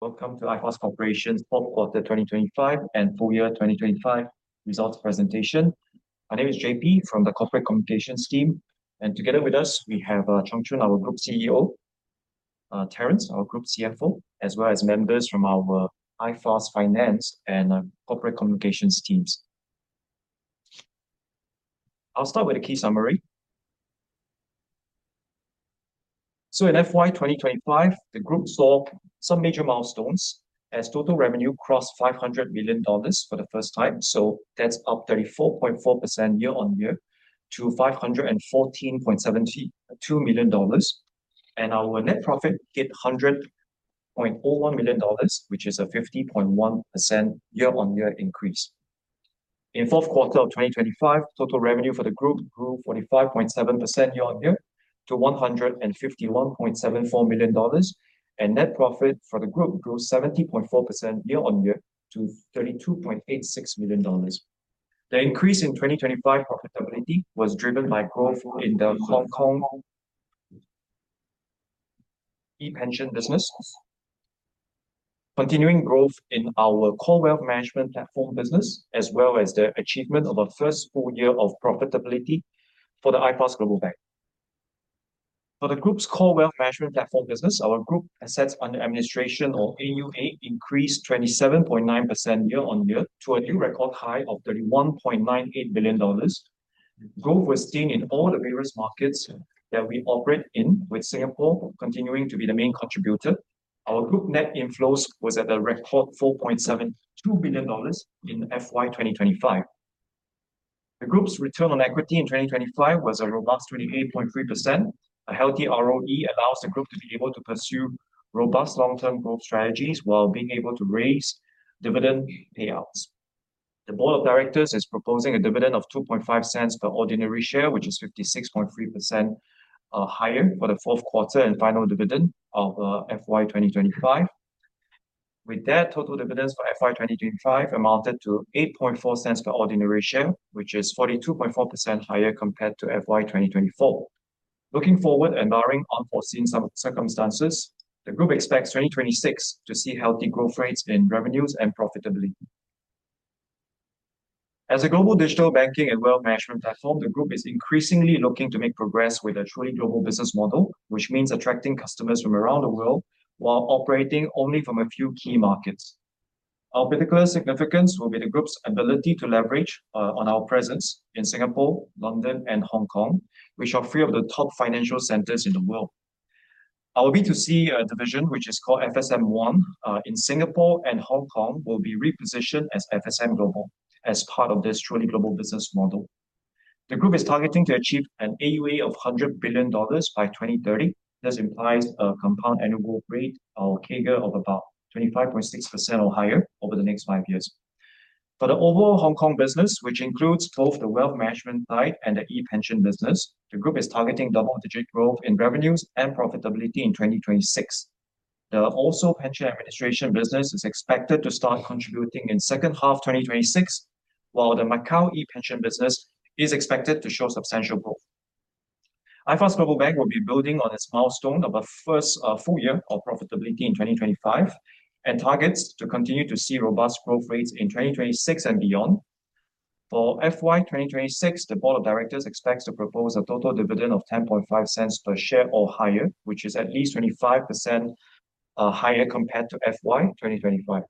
Welcome to iFAST Corporation's Fourth Quarter 2025 and Full Year 2025 Results Presentation. My name is JP from the Corporate Communications team, and together with us, we have, Chung Chun, our Group CEO, Terence, our Group CFO, as well as members from our iFAST Finance and, Corporate Communications teams. I'll start with a key summary. So in FY 2025, the group saw some major milestones as total revenue crossed 500 million dollars for the first time. So that's up 34.4% year-on-year to 514.72 million dollars, and our net profit hit 100.01 million dollars, which is a 50.1% year-on-year increase. In fourth quarter of 2025, total revenue for the group grew 45.7% year-on-year to 151.74 million dollars, and net profit for the group grew 70.4% year-on-year to 32.86 million dollars. The increase in 2025 profitability was driven by growth in the Hong Kong ePension business, continuing growth in our core wealth management platform business, as well as the achievement of a first full year of profitability for the iFAST Global Bank. For the group's core wealth management platform business, our group assets under administration or AUA increased 27.9% year-on-year to a new record high of 31.98 billion dollars. Growth was seen in all the various markets that we operate in, with Singapore continuing to be the main contributor. Our group net inflows was at a record 4.72 billion dollars in FY 2025. The group's return on equity in 2025 was a robust 28.3%. A healthy ROE allows the group to be able to pursue robust long-term growth strategies while being able to raise dividend payouts. The board of directors is proposing a dividend of 0.025 per ordinary share, which is 56.3% higher for the fourth quarter and final dividend of FY 2025. With that, total dividends for FY 2025 amounted to 0.084 per ordinary share, which is 42.4% higher compared to FY 2024. Looking forward and barring unforeseen circumstances, the group expects 2026 to see healthy growth rates in revenues and profitability. As a global digital banking and wealth management platform, the group is increasingly looking to make progress with a truly global business model, which means attracting customers from around the world while operating only from a few key markets. Of critical significance will be the group's ability to leverage on our presence in Singapore, London and Hong Kong, which are three of the top financial centers in the world. Our B2C division, which is called FSMOne in Singapore and Hong Kong, will be repositioned as FSM Global as part of this truly global business model. The group is targeting to achieve an AUA of 100 billion dollars by 2030. This implies a compound annual growth rate or CAGR of about 25.6% or higher over the next five years. For the overall Hong Kong business, which includes both the wealth management side and the ePension business, the group is targeting double-digit growth in revenues and profitability in 2026. The ORSO pension administration business is expected to start contributing in second half 2026, while the Macau ePension business is expected to show substantial growth. iFAST Global Bank will be building on its milestone of a first full year of profitability in 2025 and targets to continue to see robust growth rates in 2026 and beyond. For FY 2026, the board of directors expects to propose a total dividend of 0.105 per share or higher, which is at least 25% higher compared to FY 2025.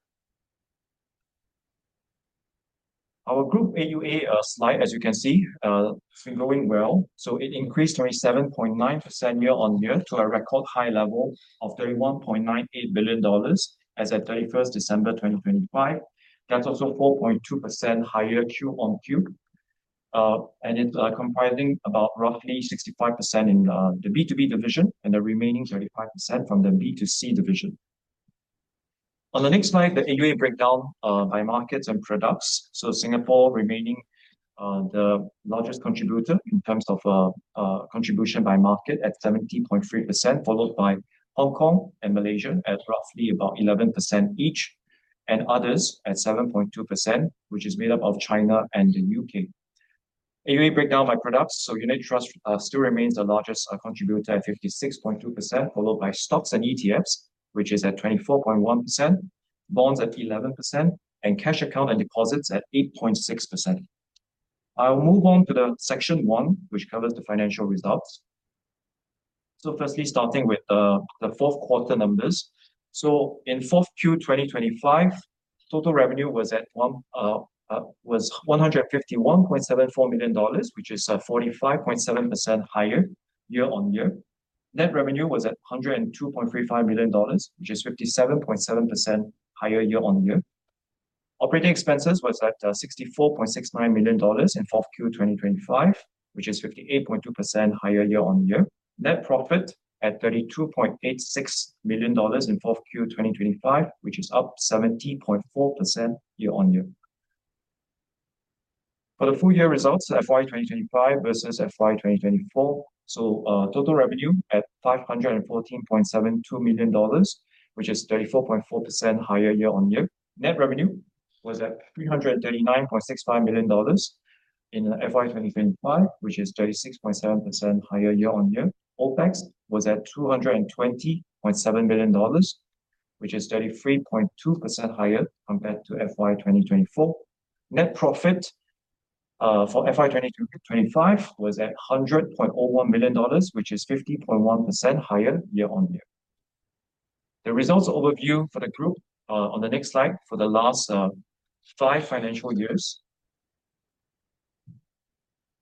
Our group AUA, slide, as you can see, going well, so it increased 27.9% year-on-year to a record high level of 31.98 billion dollars as at 31st December 2025. That's also 4.2% higher Q-on-Q, and it's, comprising about roughly 65% in, the B2B division and the remaining 35% from the B2C division. On the next slide, the AUA breakdown, by markets and products. So Singapore remaining, the largest contributor in terms of, contribution by market at 17.3%, followed by Hong Kong and Malaysia at roughly about 11% each, and others at 7.2%, which is made up of China and the U.K. AUA breakdown by products. Unit trust still remains the largest contributor at 56.2%, followed by stocks and ETFs, which is at 24.1%, bonds at 11%, and cash account and deposits at 8.6%. I'll move on to the section one, which covers the financial results. Firstly, starting with the fourth quarter numbers. In fourth Q 2025, total revenue was at 151.74 million dollars, which is 45.7% higher year-on-year. Net revenue was at 102.35 million dollars, which is 57.7% higher year-on-year. Operating expenses was at 64.69 million dollars in fourth Q 2025, which is 58.2% higher year-on-year. Net profit at 32.86 million dollars in Q4 2025, which is up 17.4% year-on-year. For the full year results, FY 2025 versus FY 2024. So, total revenue at 514.72 million dollars, which is 34.4% higher year-on-year. Net revenue was at 339.65 million dollars in FY 2025, which is 36.7% higher year-on-year. OpEx was at 220.7 million dollars, which is 33.2% higher compared to FY 2024. Net profit for FY 2025 was at 100.01 million dollars, which is 50.1% higher year-on-year. The results overview for the group on the next slide for the last five financial years.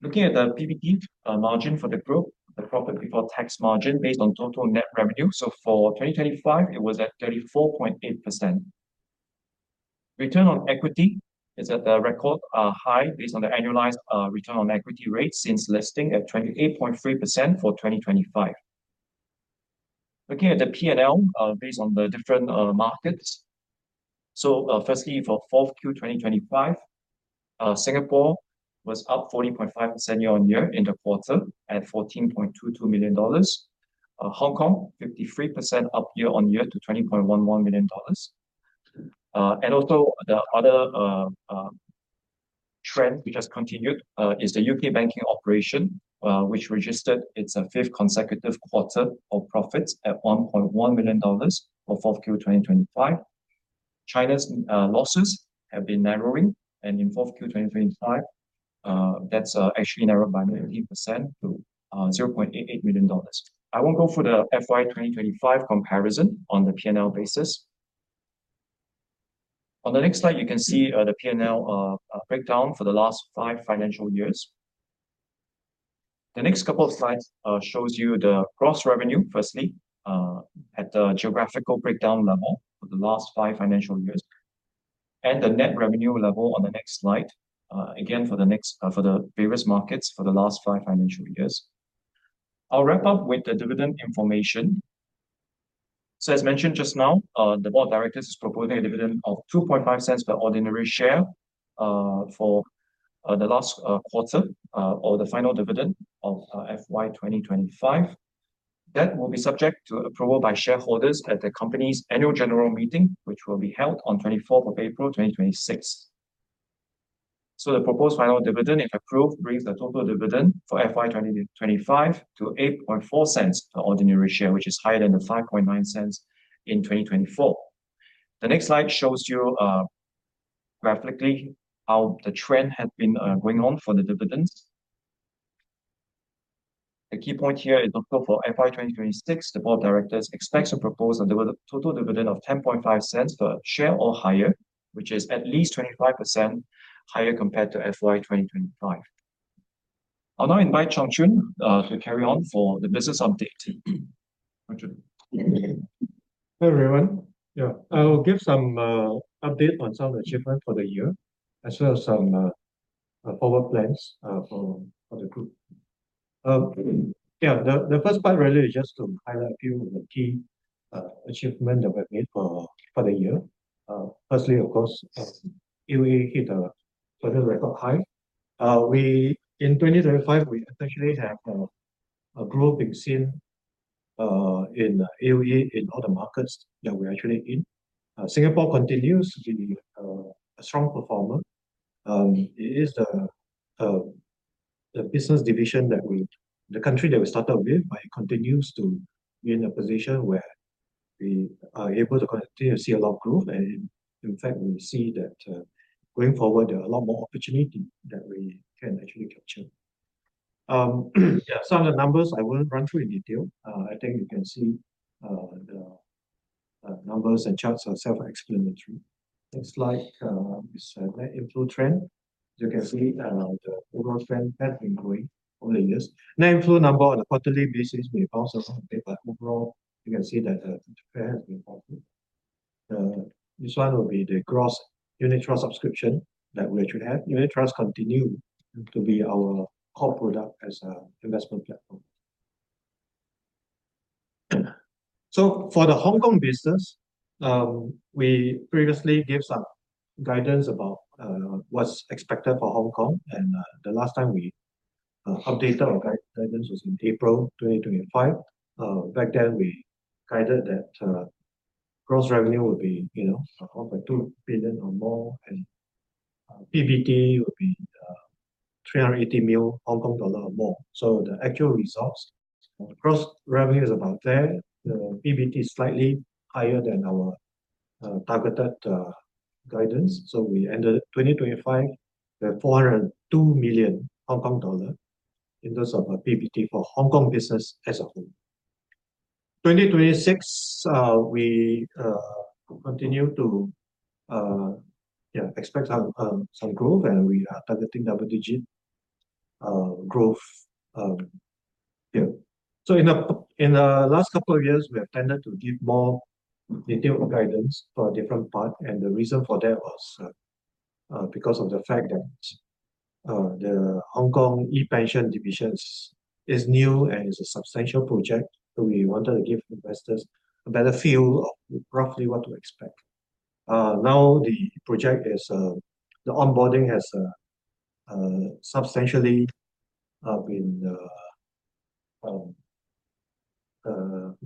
Looking at the PBT margin for the group, the profit before tax margin based on total net revenue, so for 2025, it was at 34.8%. Return on equity is at a record high based on the annualized return on equity rate since listing at 28.3% for 2025. Looking at the P&L based on the different markets. So, firstly, for 4Q 2025, Singapore was up 40.5% year-on-year in the quarter at 14.22 million dollars. Hong Kong, 53% up year-on-year to 20.11 million dollars. And also the other trend which has continued is the U.K. banking operation, which registered its fifth consecutive quarter of profits at 1.1 million dollars for 4Q 2025. China's losses have been narrowing, and in fourth Q 2025, that's actually narrowed by 19% to 88 million dollars. I won't go through the FY 2025 comparison on the P&L basis. On the next slide, you can see the P&L breakdown for the last five financial years. The next couple of slides shows you the gross revenue, firstly, at the geographical breakdown level for the last five financial years, and the net revenue level on the next slide. Again, for the various markets for the last five financial years. I'll wrap up with the dividend information. So as mentioned just now, the board of directors is proposing a dividend of 0.025 per ordinary share, for the last quarter or the final dividend of FY 2025. That will be subject to approval by shareholders at the company's annual general meeting, which will be held on 24th of April, 2026. So the proposed final dividend, if approved, brings the total dividend for FY 2025 to 0.084 per ordinary share, which is higher than the 0.059 in 2024. The next slide shows you graphically how the trend had been going on for the dividends. The key point here is also for FY 2026, the board of directors expects to propose a total dividend of 0.105 per share or higher, which is at least 25% higher compared to FY 2025. I'll now invite Chung Chun to carry on for the business update. Chung Chun? Hey, everyone. Yeah, I'll give some update on some achievement for the year, as well as some forward plans for the group. Yeah, the first part really is just to highlight a few of the key achievement that we've made for the year. Firstly, of course, AUA hit a total record high. We, in 2025, we actually have a growth being seen in AUA, in all the markets that we're actually in. Singapore continues to be a strong performer. It is the business division that we-- the country that we started with, but it continues to be in a position where we are able to continue to see a lot of growth. And in fact, we see that, going forward, there are a lot more opportunity that we can actually capture. Yeah, some of the numbers I won't run through in detail. I think you can see, the numbers and charts are self-explanatory. Looks like, we saw net inflow trend. You can see, the overall trend has been growing over the years. Net inflow number on a quarterly basis may also some, but overall, you can see that, trend has been positive. This one will be the gross unit trust subscription that we actually have. Unit trusts continue to be our core product as a investment platform. So for the Hong Kong business, we previously gave some guidance about, what's expected for Hong Kong, and, the last time we, updated our guidance was in April 2025. Back then, we guided that gross revenue would be, you know, 2 billion or more, and PBT would be 380 million Hong Kong dollar or more. So the actual results, the gross revenue is about there. The PBT is slightly higher than our targeted guidance. So we ended 2025 with 402 million Hong Kong dollars in terms of a PBT for Hong Kong business as a whole. 2026, we continue to, yeah, expect some growth, and we are targeting double-digit growth. So in the last couple of years, we have tended to give more detailed guidance for different part, and the reason for that was because of the fact that the Hong Kong ePension divisions is new and is a substantial project, so we wanted to give investors a better feel of roughly what to expect. Now the project is the onboarding has substantially been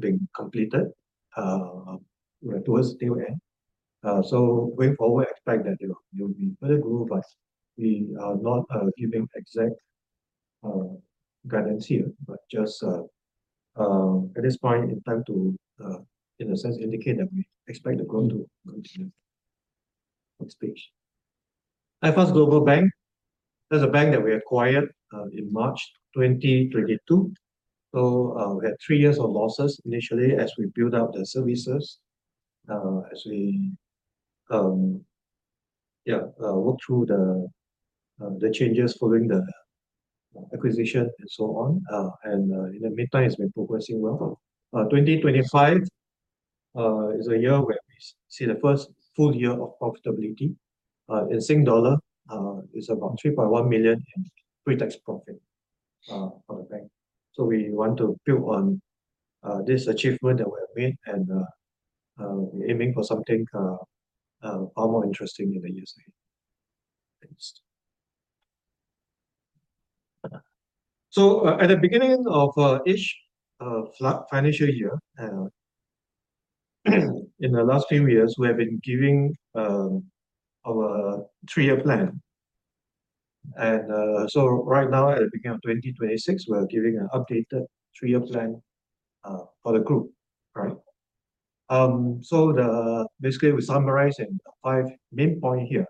being completed towards the end. So going forward, expect that, you know, it'll be further growth, but we are not giving exact guidance here, but just at this point in time to in a sense indicate that we expect the growth to continue. Next page. iFAST Global Bank, that's a bank that we acquired in March 2022. So, we had three years of losses initially as we build out the services, as we work through the changes following the acquisition and so on. In the meantime, it's been progressing well. 2025 is a year where we see the first full year of profitability. In SGD, it's about 3.1 million in pre-tax profit for the bank. So we want to build on this achievement that we have made and, we're aiming for something far more interesting in the years ahead. Thanks. So, at the beginning of each fiscal year, in the last few years, we have been giving our three-year plan. So right now, at the beginning of 2026, we're giving an updated three-year plan for the group. Right? So the, basically, we're summarizing the five main point here.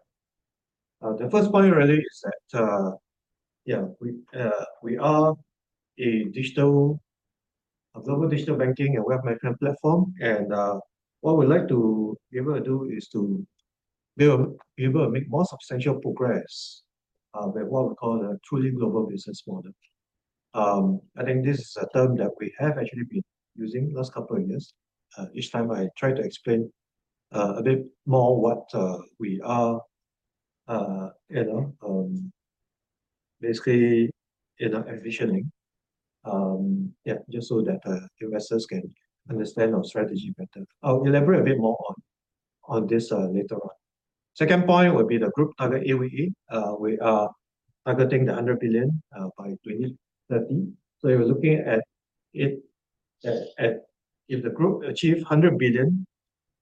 The first point really is that, yeah, we are a digital, a global digital banking and wealth management platform, and what we'd like to be able to do is to be able to make more substantial progress with what we call a truly global business model. I think this is a term that we have actually been using the last couple of years. Each time I try to explain a bit more what we are, you know, basically, you know, envisioning. Yeah, just so that investors can understand our strategy better. I'll elaborate a bit more on, on this, later on. Second point would be the group target AUA. We are targeting 100 billion by 2030. So we're looking at it, at, at, if the group achieve 100 billion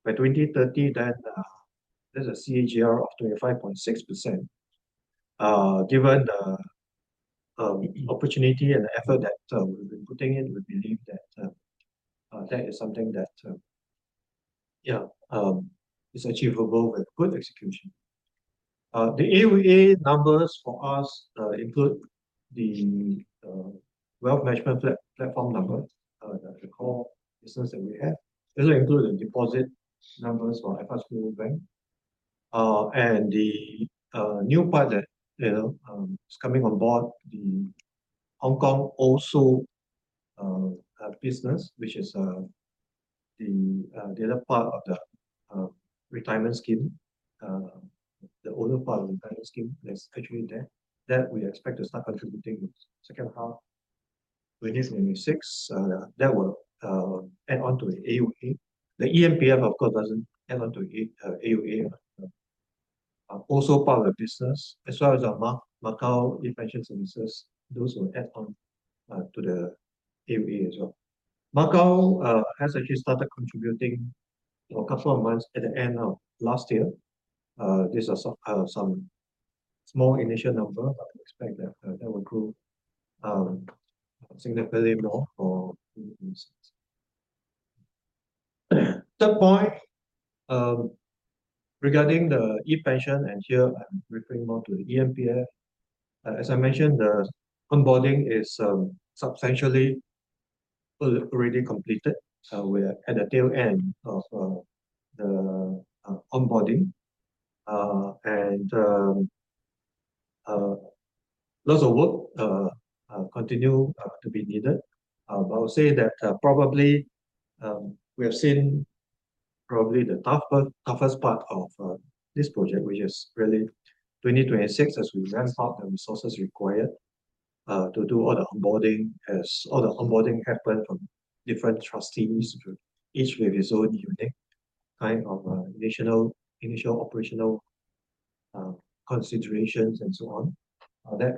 by 2030, then, there's a CAGR of 25.6%. Given the, opportunity and effort that, we've been putting in, we believe that, that is something that, yeah, is achievable with good execution. The AUA numbers for us, include the, wealth management platform number, that's the core business that we have. It'll include the deposit numbers for iFAST Global Bank. And the new part that, you know, is coming on board, the Hong Kong business also, which is the other part of the retirement scheme, the older part of the retirement scheme that's actually there, that we expect to start contributing second half 2026. That will add on to the AUA. The eMPF, of course, doesn't add on to AUA. Also part of the business, as well as our Macau pension services, those will add on to the AUA as well. Macau has actually started contributing, you know, a couple of months at the end of last year. These are some small initial number, but we expect that that will grow significantly more for instance. Third point, regarding the ePension, and here I'm referring more to the eMPF. As I mentioned, the onboarding is substantially already completed, so we are at the tail end of the onboarding. And lots of work continue to be needed. But I would say that probably we have seen probably the tougher, toughest part of this project, which is really 2026, as we ramp up the resources required to do all the onboarding, as all the onboarding happened from different trustees, each with its own unique kind of initial operational considerations and so on. That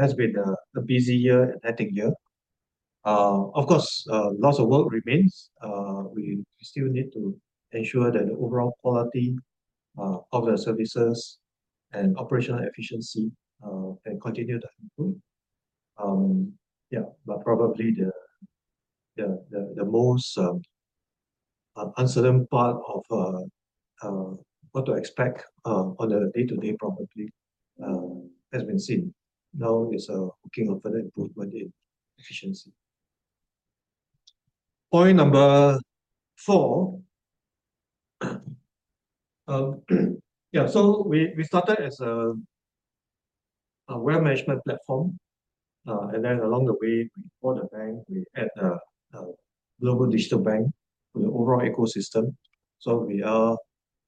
has been a busy year and hectic year. Of course, lots of work remains. We still need to ensure that the overall quality of the services and operational efficiency can continue to improve. But probably the most uncertain part of what to expect on a day-to-day probably has been seen. Now it's looking for the improvement in efficiency. Point number four. So we started as a wealth management platform, and then along the way, we bought a bank, we add a global digital bank to the overall ecosystem. So we are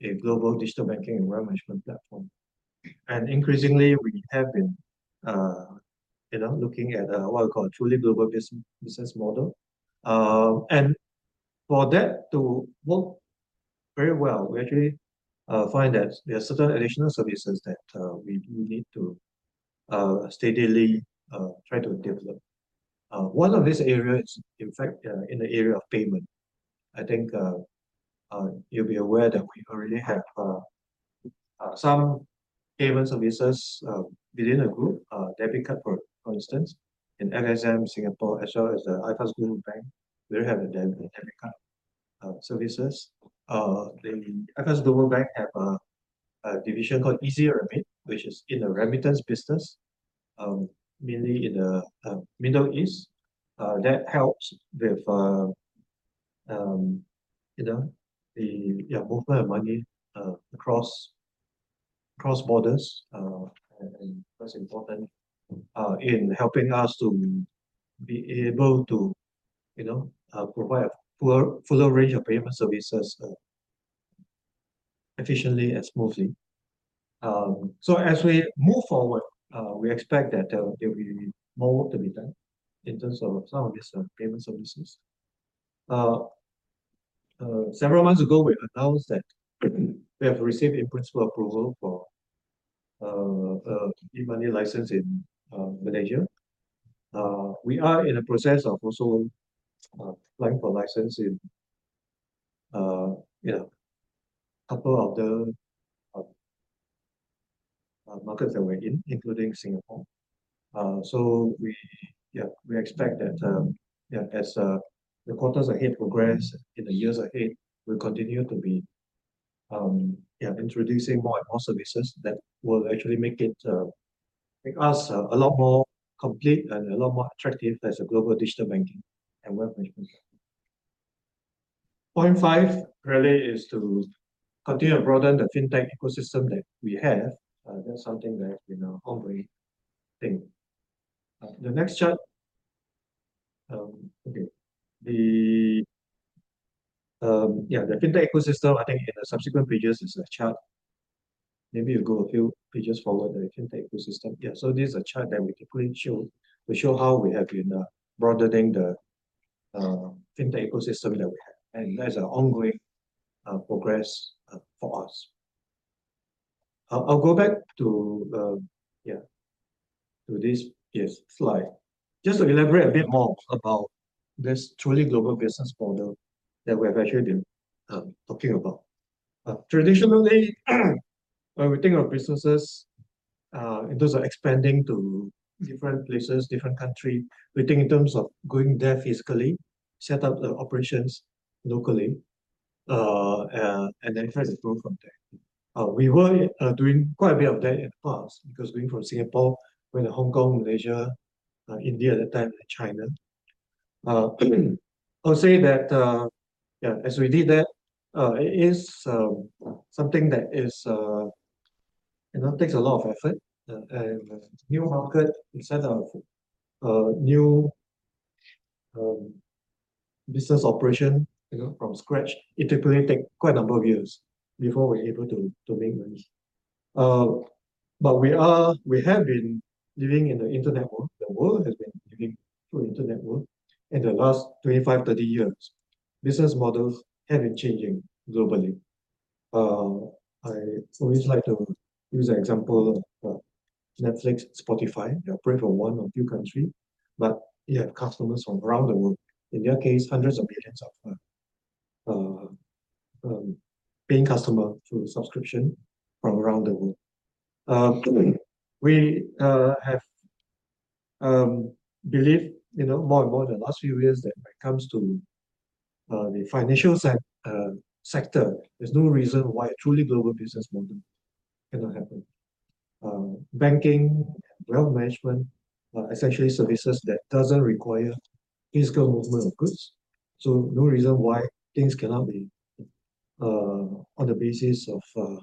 a global digital banking and wealth management platform. And increasingly we have been you know looking at what we call a truly global business model. And for that to work very well. We actually find that there are certain additional services that we need to steadily try to develop. One of these areas is in fact in the area of payment. I think you'll be aware that we already have some payment services within the group, debit card, for instance, in FSM, Singapore, as well as the iFAST Global Bank. We have a debit card services. The iFAST Global Bank have a division called EzRemit, which is in the remittance business, mainly in the Middle East. That helps with you know the yeah movement of money across borders, and that's important in helping us to be able to you know provide a full fuller range of payment services efficiently and smoothly. So as we move forward, we expect that there will be more work to be done in terms of some of these payment services. Several months ago, we announced that we have received an in-principle approval for e-money license in Malaysia. We are in a process of also applying for license in you know, a couple of the markets that we're in, including Singapore. So we, yeah, we expect that you know, as the quarters ahead progress, in the years ahead, we'll continue to be yeah, introducing more and more services that will actually make it make us a lot more complete and a lot more attractive as a global digital banking and wealth management. Point five really is to continue to broaden the fintech ecosystem that we have, that's something that, you know, ongoing thing. The next chart, okay, the... Yeah, the fintech ecosystem, I think in the subsequent pages is a chart. Maybe you go a few pages forward on the fintech ecosystem. Yeah, so this is a chart that we can quickly show, we show how we have been broadening the fintech ecosystem that we have, and that's an ongoing progress for us. I'll go back to, yeah, to this, yes, slide. Just to elaborate a bit more about this truly global business model that we're actually talking about. Traditionally, when we think of businesses, and those are expanding to different places, different country, we think in terms of going there physically, set up the operations locally, and then try to grow from there. We were doing quite a bit of that in the past because being from Singapore, we're in Hong Kong, Malaysia, India at the time, and China. I'll say that, yeah, as we did that, it is something that is, you know, takes a lot of effort. A new market, instead of new business operation, you know, from scratch, it will take quite a number of years before we're able to make money. But we are, we have been living in an internet world. The world has been living through internet world in the last 25-30 years. Business models have been changing globally. I always like to use the example of Netflix, Spotify. They operate on one or few country, but you have customers from around the world. In their case, hundreds of millions of paying customer through subscription from around the world. We have believed, you know, more and more in the last few years that when it comes to the financial sector, there's no reason why a truly global business model cannot happen. Banking, wealth management, essentially services that doesn't require physical movement of goods, so no reason why things cannot be on the basis of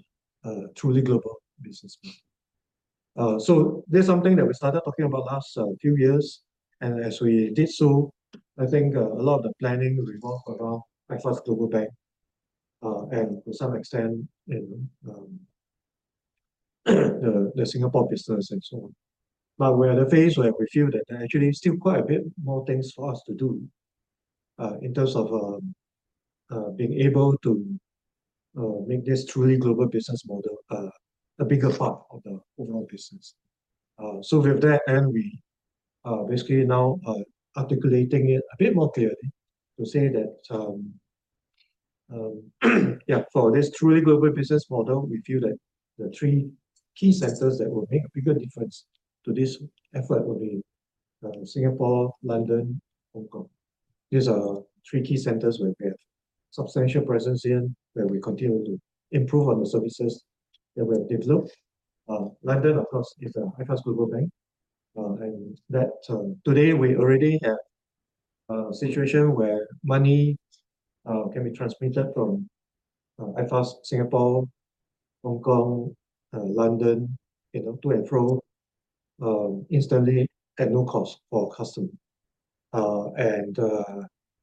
a truly global business model. So this is something that we started talking about last few years, and as we did so, I think a lot of the planning revolve around iFAST Global Bank, and to some extent, in the Singapore business and so on. But we're at a phase where we feel that there actually is still quite a bit more things for us to do in terms of being able to make this truly global business model a bigger part of the overall business. So with that, we are basically now articulating it a bit more clearly to say that, yeah, for this truly global business model, we feel that the three key centers that will make a bigger difference to this effort will be Singapore, London, Hong Kong. These are three key centers where we have substantial presence in, where we continue to improve on the services that we have developed. London, of course, is iFAST Global Bank, and that, today we already have a situation where money can be transmitted from iFAST, Singapore, Hong Kong, London, you know, to and fro, instantly at no cost for customer. And,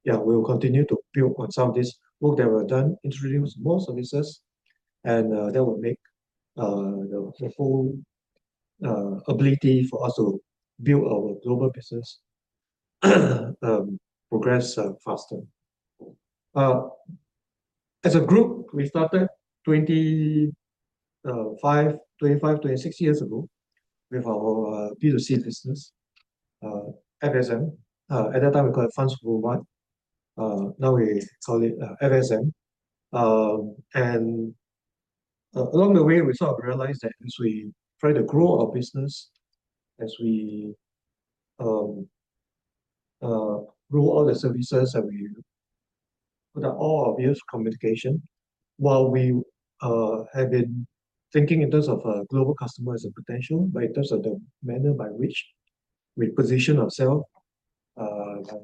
yeah, we will continue to build on some of this work that were done, introduce more services, and that will make the full ability for us to build our global business progress faster. As a group, we started 25, 26 years ago with our B2C business, FSM. At that time we called it Fundsupermart, but now we call it FSM. And along the way we sort of realized that as we try to grow our business, as we grow all the services that we, with all of our communication, while we have been thinking in terms of a global customer as a potential, but in terms of the manner by which we position ourself,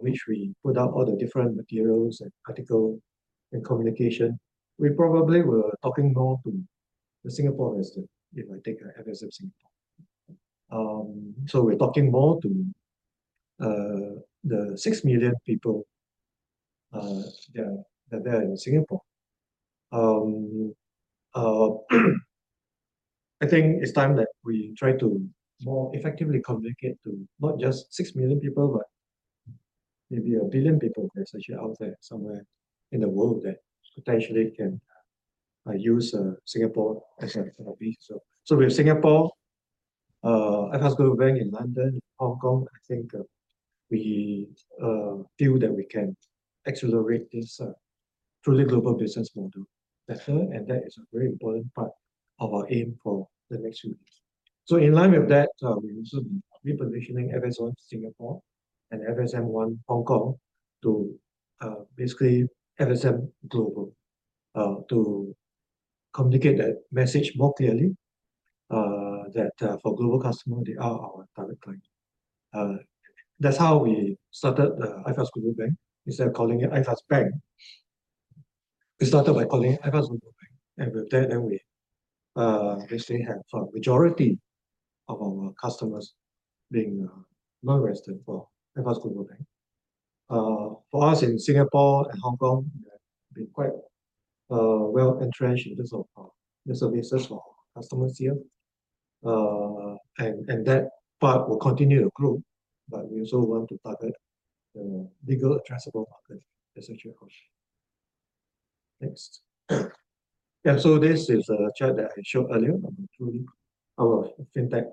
which we put out all the different materials and article and communication, we probably were talking more to the Singapore resident, if I take FSM Singapore. So we're talking more to the 6 million people that are in Singapore. I think it's time that we try to more effectively communicate to not just 6 million people, but maybe 1 billion people that are actually out there somewhere in the world that potentially can use Singapore as a philosophy. So, we have Singapore, iFAST Global Bank in London, Hong Kong. I think, we feel that we can accelerate this truly global business model better, and that is a very important part of our aim for the next few weeks. So in line with that, we will be repositioning FSMOne Singapore and FSMOne Hong Kong to basically FSM Global, to communicate that message more clearly, that for global customer, they are our target client. That's how we started the iFAST Global Bank, instead of calling it iFAST Bank. We started by calling it iFAST Global Bank, and with that then we basically have a majority of our customers being more resident for iFAST Global Bank. For us in Singapore and Hong Kong, we've been quite well entrenched in terms of our services for our customers here. And that part will continue to grow, but we also want to target the bigger addressable market, essentially of course. Next. Yeah, so this is a chart that I showed earlier through our Fintech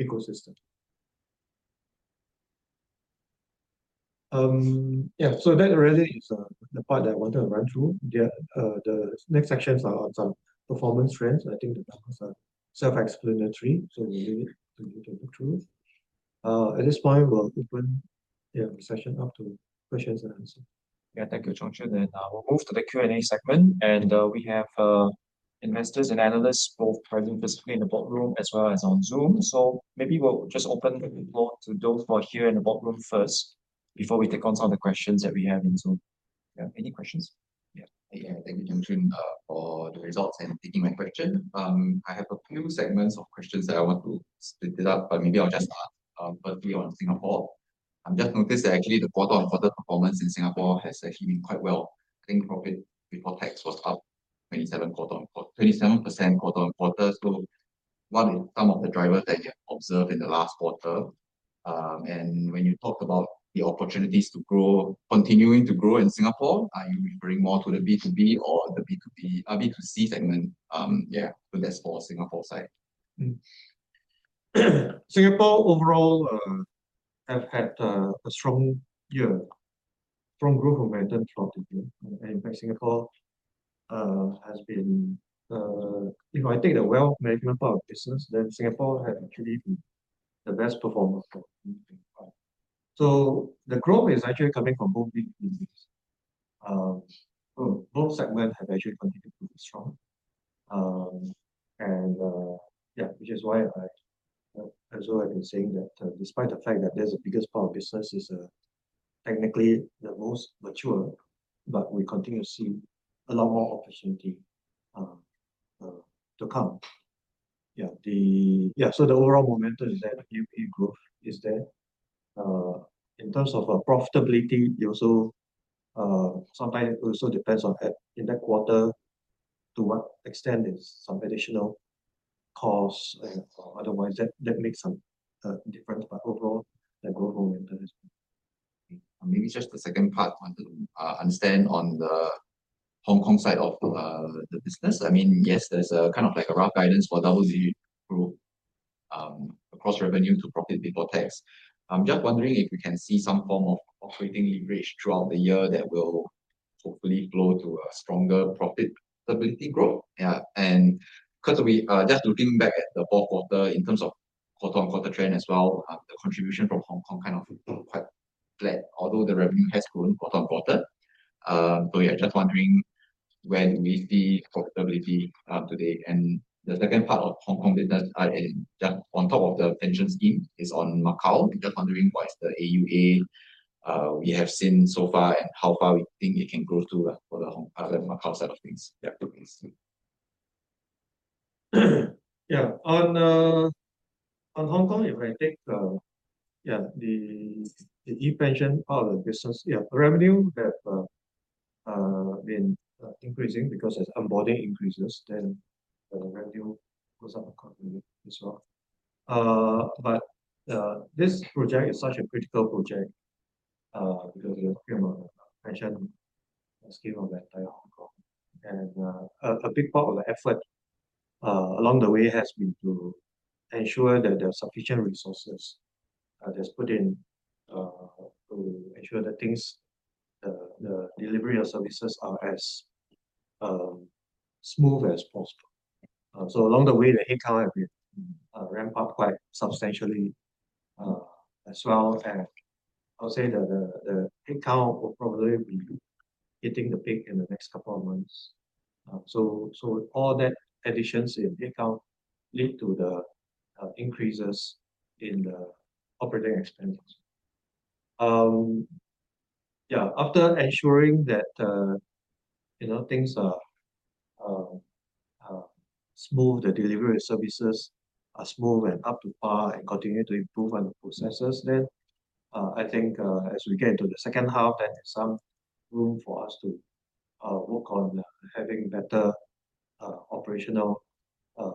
ecosystem. Yeah, so that really is the part that I want to run through. The next sections are on some performance trends, and I think those are self-explanatory, so we need to look through. At this point we'll open the session up to questions and answers. Yeah, thank you, Chung Chun. Then, we'll move to the Q&A segment, and, we have, investors and analysts both present physically in the boardroom as well as on Zoom. So maybe we'll just open the floor to those who are here in the boardroom first, before we take on some of the questions that we have in Zoom. Yeah, any questions? Yeah. Yeah, thank you, Chung Chun, for the results and taking my question. I have a few segments of questions that I want to split it up, but maybe I'll just ask, firstly on Singapore. I've just noticed that actually the quarter-on-quarter performance in Singapore has actually been quite well. I think profit before tax was up 27% quarter-on-quarter. So what are some of the drivers that you have observed in the last quarter? And when you talk about the opportunities to grow, continuing to grow in Singapore, are you bringing more to the B2B or the B2C segment? Yeah, so that's for Singapore side. Singapore overall have had a strong year, strong growth momentum throughout the year. And by Singapore has been, if I take the wealth management part of business, then Singapore had actually the best performer for everything. So the growth is actually coming from both B2Bs. Both segments have actually continued to be strong. And which is why I, as well, I've been saying that, despite the fact that the biggest part of business is technically the most mature, but we continue to see a lot more opportunity to come. So the overall momentum is that up growth is there. In terms of profitability, it also sometimes it also depends on at, in that quarter, to what extent is some additional costs, otherwise that, that makes some difference, but overall, the growth momentum is... Maybe just the second part, want to understand on the Hong Kong side of the business. I mean, yes, there's a kind of like a rough guidance for double-digit growth across revenue to profit before tax. I'm just wondering if we can see some form of operating leverage throughout the year that will hopefully flow to a stronger profitability growth. Yeah, and because we just looking back at the fourth quarter in terms of quarter-on-quarter trend as well, the contribution from Hong Kong kind of quite flat, although the revenue has grown quarter-on-quarter. So yeah, just wondering where do we see profitability today? And the second part of Hong Kong business is just on top of the pension scheme is on Macau. Just wondering, what is the AUA we have seen so far and how far we think it can grow to for the Hong Kong, Macau side of things? Yeah, thank you. Yeah. On Hong Kong, if I take yeah, the ePension, all the business, yeah, revenue have been increasing because as onboarding increases, then the revenue goes up accordingly as well. But this project is such a critical project because of the mentioned scale of that entire Hong Kong. And a big part of the effort along the way has been to ensure that there are sufficient resources that's put in to ensure that things the delivery of services are as smooth as possible. So along the way, the headcount have been ramped up quite substantially as well, and I'll say that the headcount will probably be hitting the peak in the next couple of months. So, all that additions in headcount lead to the increases in the operating expenses. Yeah, after ensuring that, you know, things are smooth, the delivery services are smooth and up to par and continue to improve on the processes, then, I think, as we get into the second half, there's some room for us to work on having better operational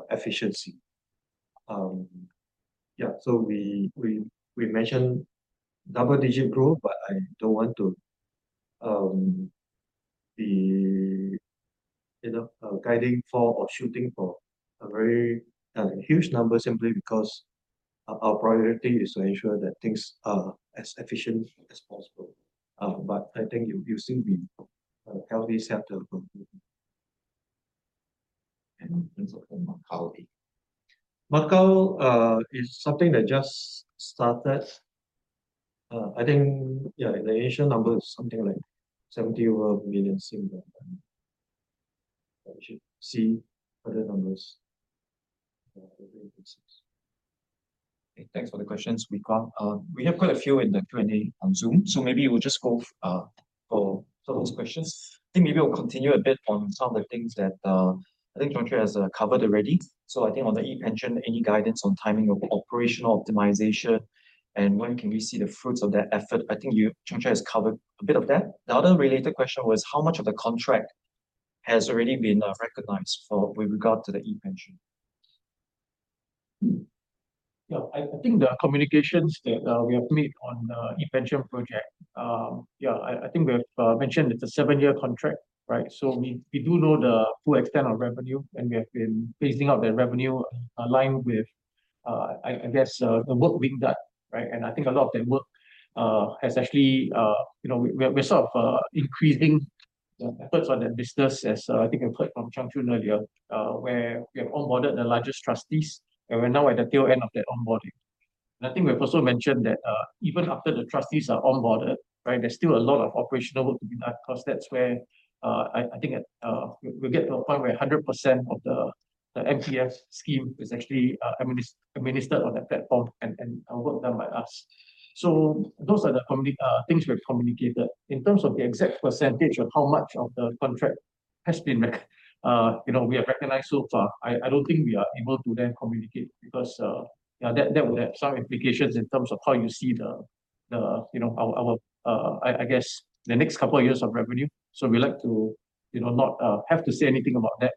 efficiency. Yeah, so we mentioned double-digit growth, but I don't want to be, you know, guiding for or shooting for a very huge number simply because our priority is to ensure that things are as efficient as possible. But I think you've seen the healthy sector from... in terms of Macau. Macau is something that just started. I think, yeah, the initial number is something like 70 million, and we should see other numbers over the next six. Thanks for the questions we got. We have quite a few in the Q&A on Zoom, so maybe we'll just go, go to those questions. I think maybe I'll continue a bit on some of the things that I think Chung Chun has covered already. So I think on the ePension, any guidance on timing of operational optimization, and when can we see the fruits of that effort? I think you, Chung Chun has covered a bit of that. The other related question was, how much of the contract has already been recognized for with regard to the ePension? Yeah, I think the communications that we have made on the ePension project... Yeah, I think we've mentioned it's a seven-year contract, right? So we do know the full extent of revenue, and we have been phasing out the revenue aligned with, I guess, the work being done, right? And I think a lot of that work has actually, you know, we are sort of increasing the efforts on that business as, I think you heard from Chung Chun earlier, where we have onboarded the largest trustees, and we're now at the tail end of the onboarding. I think we've also mentioned that, even after the trustees are onboarded, right, there's still a lot of operational work to be done, because that's where, I think, we'll get to a point where 100% of the, the MTF scheme is actually, administered on the platform and, and work done by us. So those are the things we've communicated. In terms of the exact percentage of how much of the contract has been rec-, you know, we have recognized so far, I don't think we are able to then communicate because, that would have some implications in terms of how you see the, the, you know, our, our, I guess, the next couple of years of revenue. So we'd like to, you know, not, have to say anything about that.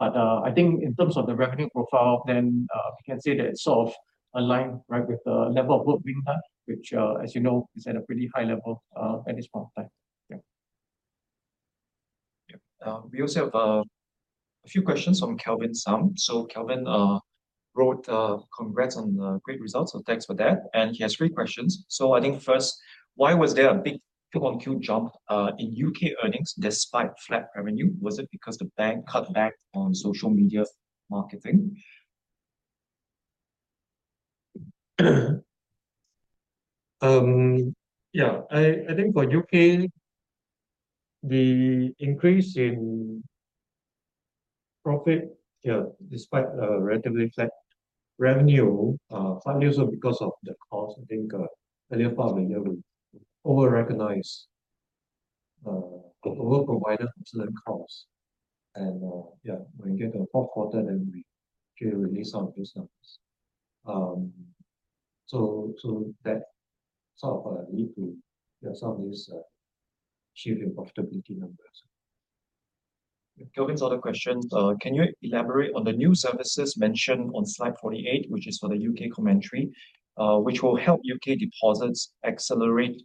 I think in terms of the revenue profile, then, we can say that it's sort of aligned, right, with the level of work being done, which, as you know, is at a pretty high level, at this point in time. Yeah. Yeah. We also have a few questions from Kelvin Sam. So Kelvin wrote, "Congrats on the great results," so thanks for that, and he has three questions. So I think first, why was there a big Q-on-Q jump in U.K. earnings despite flat revenue? Was it because the bank cut back on social media marketing? Yeah, I think for the U.K., the increase in profit, yeah, despite relatively flat revenue, partly also because of the cost, I think, earlier part of the year, we over-recognize, over provided to the cost. Yeah, when we get to the fourth quarter, then we actually release some of these numbers. So that sort of lead to, yeah, some of these cheering profitability numbers. Kelvin's other question: Can you elaborate on the new services mentioned on slide 48, which is for the U.K. commentary, which will help U.K. deposits accelerate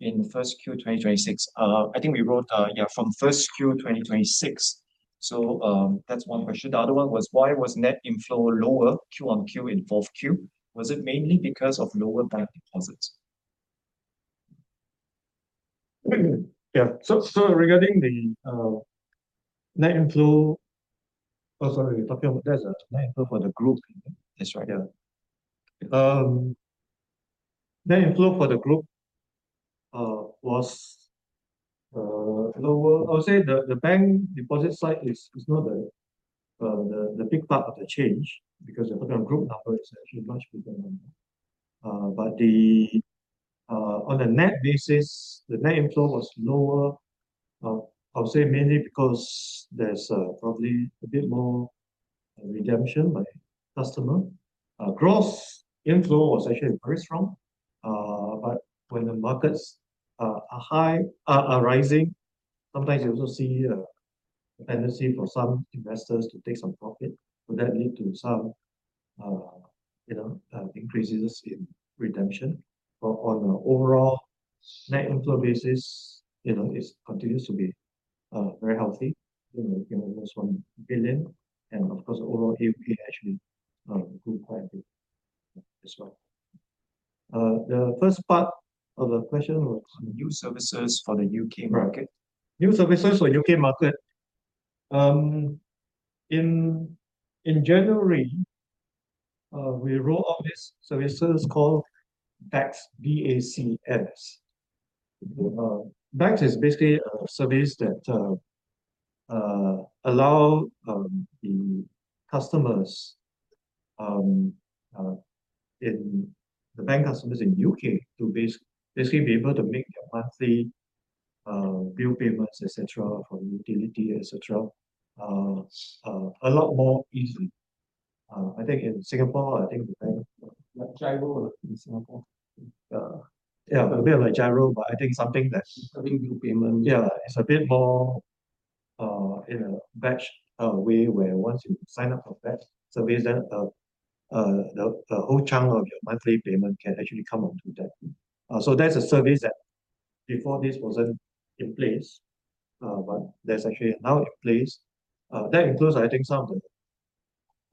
in first Q 2026? I think we wrote, yeah, from first Q 2026. So, that's one question. The other one was, why was net inflow lower Q-on-Q in fourth Q? Was it mainly because of lower bank deposits? Yeah. So, regarding the net inflow... Oh, sorry, we're talking about there's a net inflow for the group. That's right. Yeah. Net inflow for the group was lower. I would say the bank deposit side is not the big part of the change, because the group number is actually much bigger than that. But on a net basis, the net inflow was lower, I would say mainly because there's probably a bit more redemption by customer. Gross inflow was actually very strong, but when the markets are high, are rising, sometimes you also see a tendency for some investors to take some profit. Would that lead to some, you know, increases in redemption? But on an overall net inflow basis, you know, it continues to be very healthy, you know, almost 1 billion. And of course, overall, AUM actually grew quite a bit as well. The first part of the question was on new services for the U.K. market. New services for U.K. market, in January, we rolled out this services called BACS, B-A-C-S. BACS is basically a service that allow the customers the bank customers in U.K. to basically be able to make their monthly bill payments, et cetera, for utility, et cetera, a lot more easily. I think in Singapore, like GIRO in Singapore, yeah, a bit like GIRO, but I think something that's- Something bill payment. Yeah, it's a bit more in a batch way, where once you sign up for that service, then the whole chunk of your monthly payment can actually come on to that. So there's a service that before this wasn't in place, but that's actually now in place. That includes, I think, some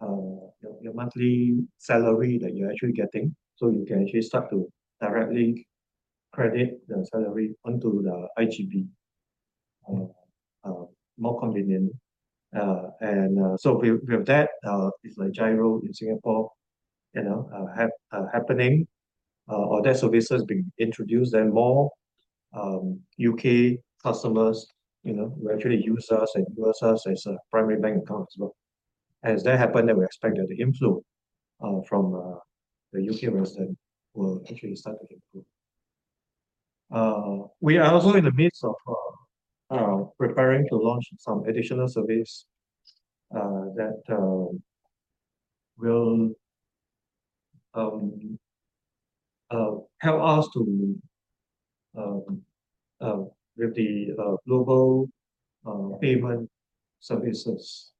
of your monthly salary that you're actually getting, so you can actually start to directly credit the salary onto the iGB. More convenient. And so we have that, it's like GIRO in Singapore, you know, happening, or that service has been introduced, and more U.K. customers, you know, who actually use us and use us as a primary bank account as well. As that happened, then we expected the inflow from the U.K. investors will actually start to improve. We are also in the midst of preparing to launch some additional service that will help us to with the global payment services.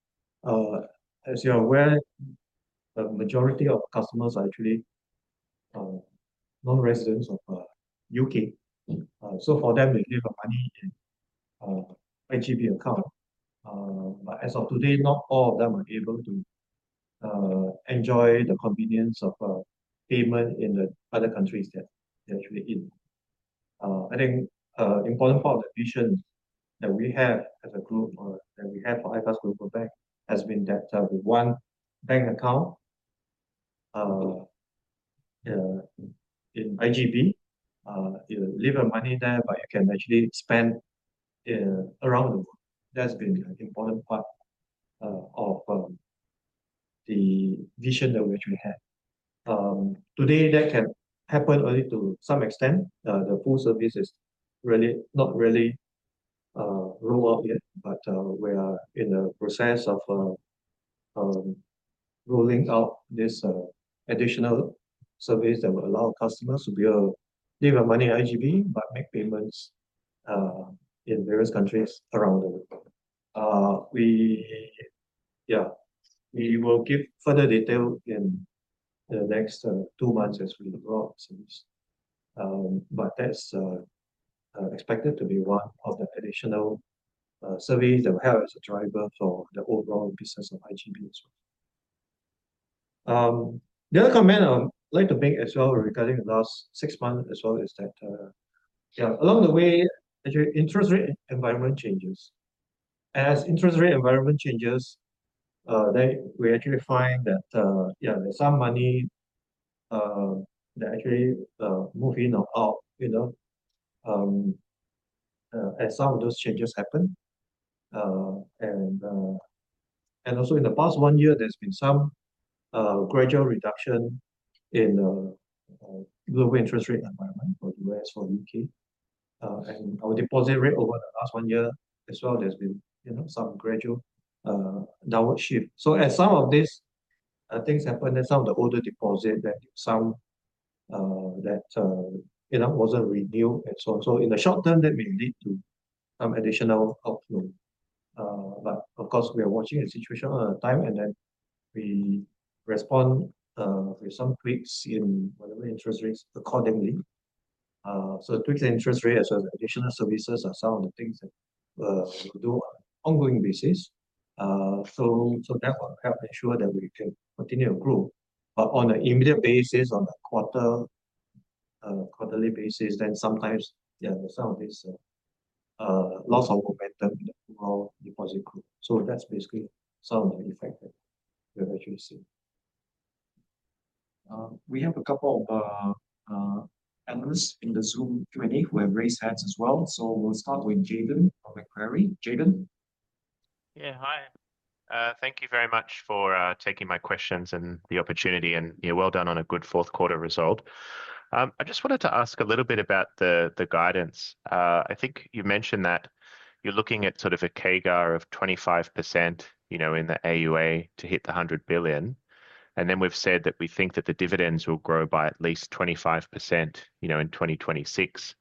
As you are aware, the majority of customers are actually non-residents of U.K. So for them, they leave their money in iGB account. But as of today, not all of them are able to enjoy the convenience of payment in the other countries that they're actually in. I think important part of the vision that we have as a group, or that we have for iFAST Global Bank, has been that with one bank account in iGB you leave your money there, but you can actually spend around the world. That's been an important part of the vision that which we have. Today, that can happen only to some extent. The full service is really not really roll out yet, but we are in the process of rolling out this additional service that will allow customers to leave their money in iGB but make payments in various countries around the world. Yeah, we will give further detail in the next two months as we roll out service. But that's expected to be one of the additional service that we have as a driver for the overall business of iGB as well. The other comment I would like to make as well regarding the last six months as well is that, yeah, along the way, as your interest rate environment changes, as interest rate environment changes, we actually find that, yeah, there's some money that actually move in or out, you know, as some of those changes happen. And, and also in the past one year, there's been some gradual reduction in global interest rate environment for U.S., for U.K. And our deposit rate over the last one year as well, there's been, you know, some gradual downward shift. So as some of these things happen, there's some of the older deposit that, you know, wasn't renewed. So in the short term, that may lead to some additional outflow. But of course, we are watching the situation all the time, and then we respond with some tweaks in whatever interest rates accordingly. So tweak the interest rate as well as additional services are some of the things that we do on an ongoing basis. So that will help ensure that we can continue to grow. But on an immediate basis, on a quarterly basis, then sometimes, yeah, there's some of this loss of momentum in the overall deposit group. So that's basically some of the effect that we have actually seen. We have a couple of analysts in the Zoom who have raised hands as well. So we'll start with Jayden of Macquarie. Jayden? ... Yeah, hi. Thank you very much for taking my questions and the opportunity, and, you know, well done on a good fourth quarter result. I just wanted to ask a little bit about the guidance. I think you mentioned that you're looking at sort of a CAGR of 25%, you know, in the AUA to hit the 100 billion, and then we've said that we think that the dividends will grow by at least 25%, you know, in 2026.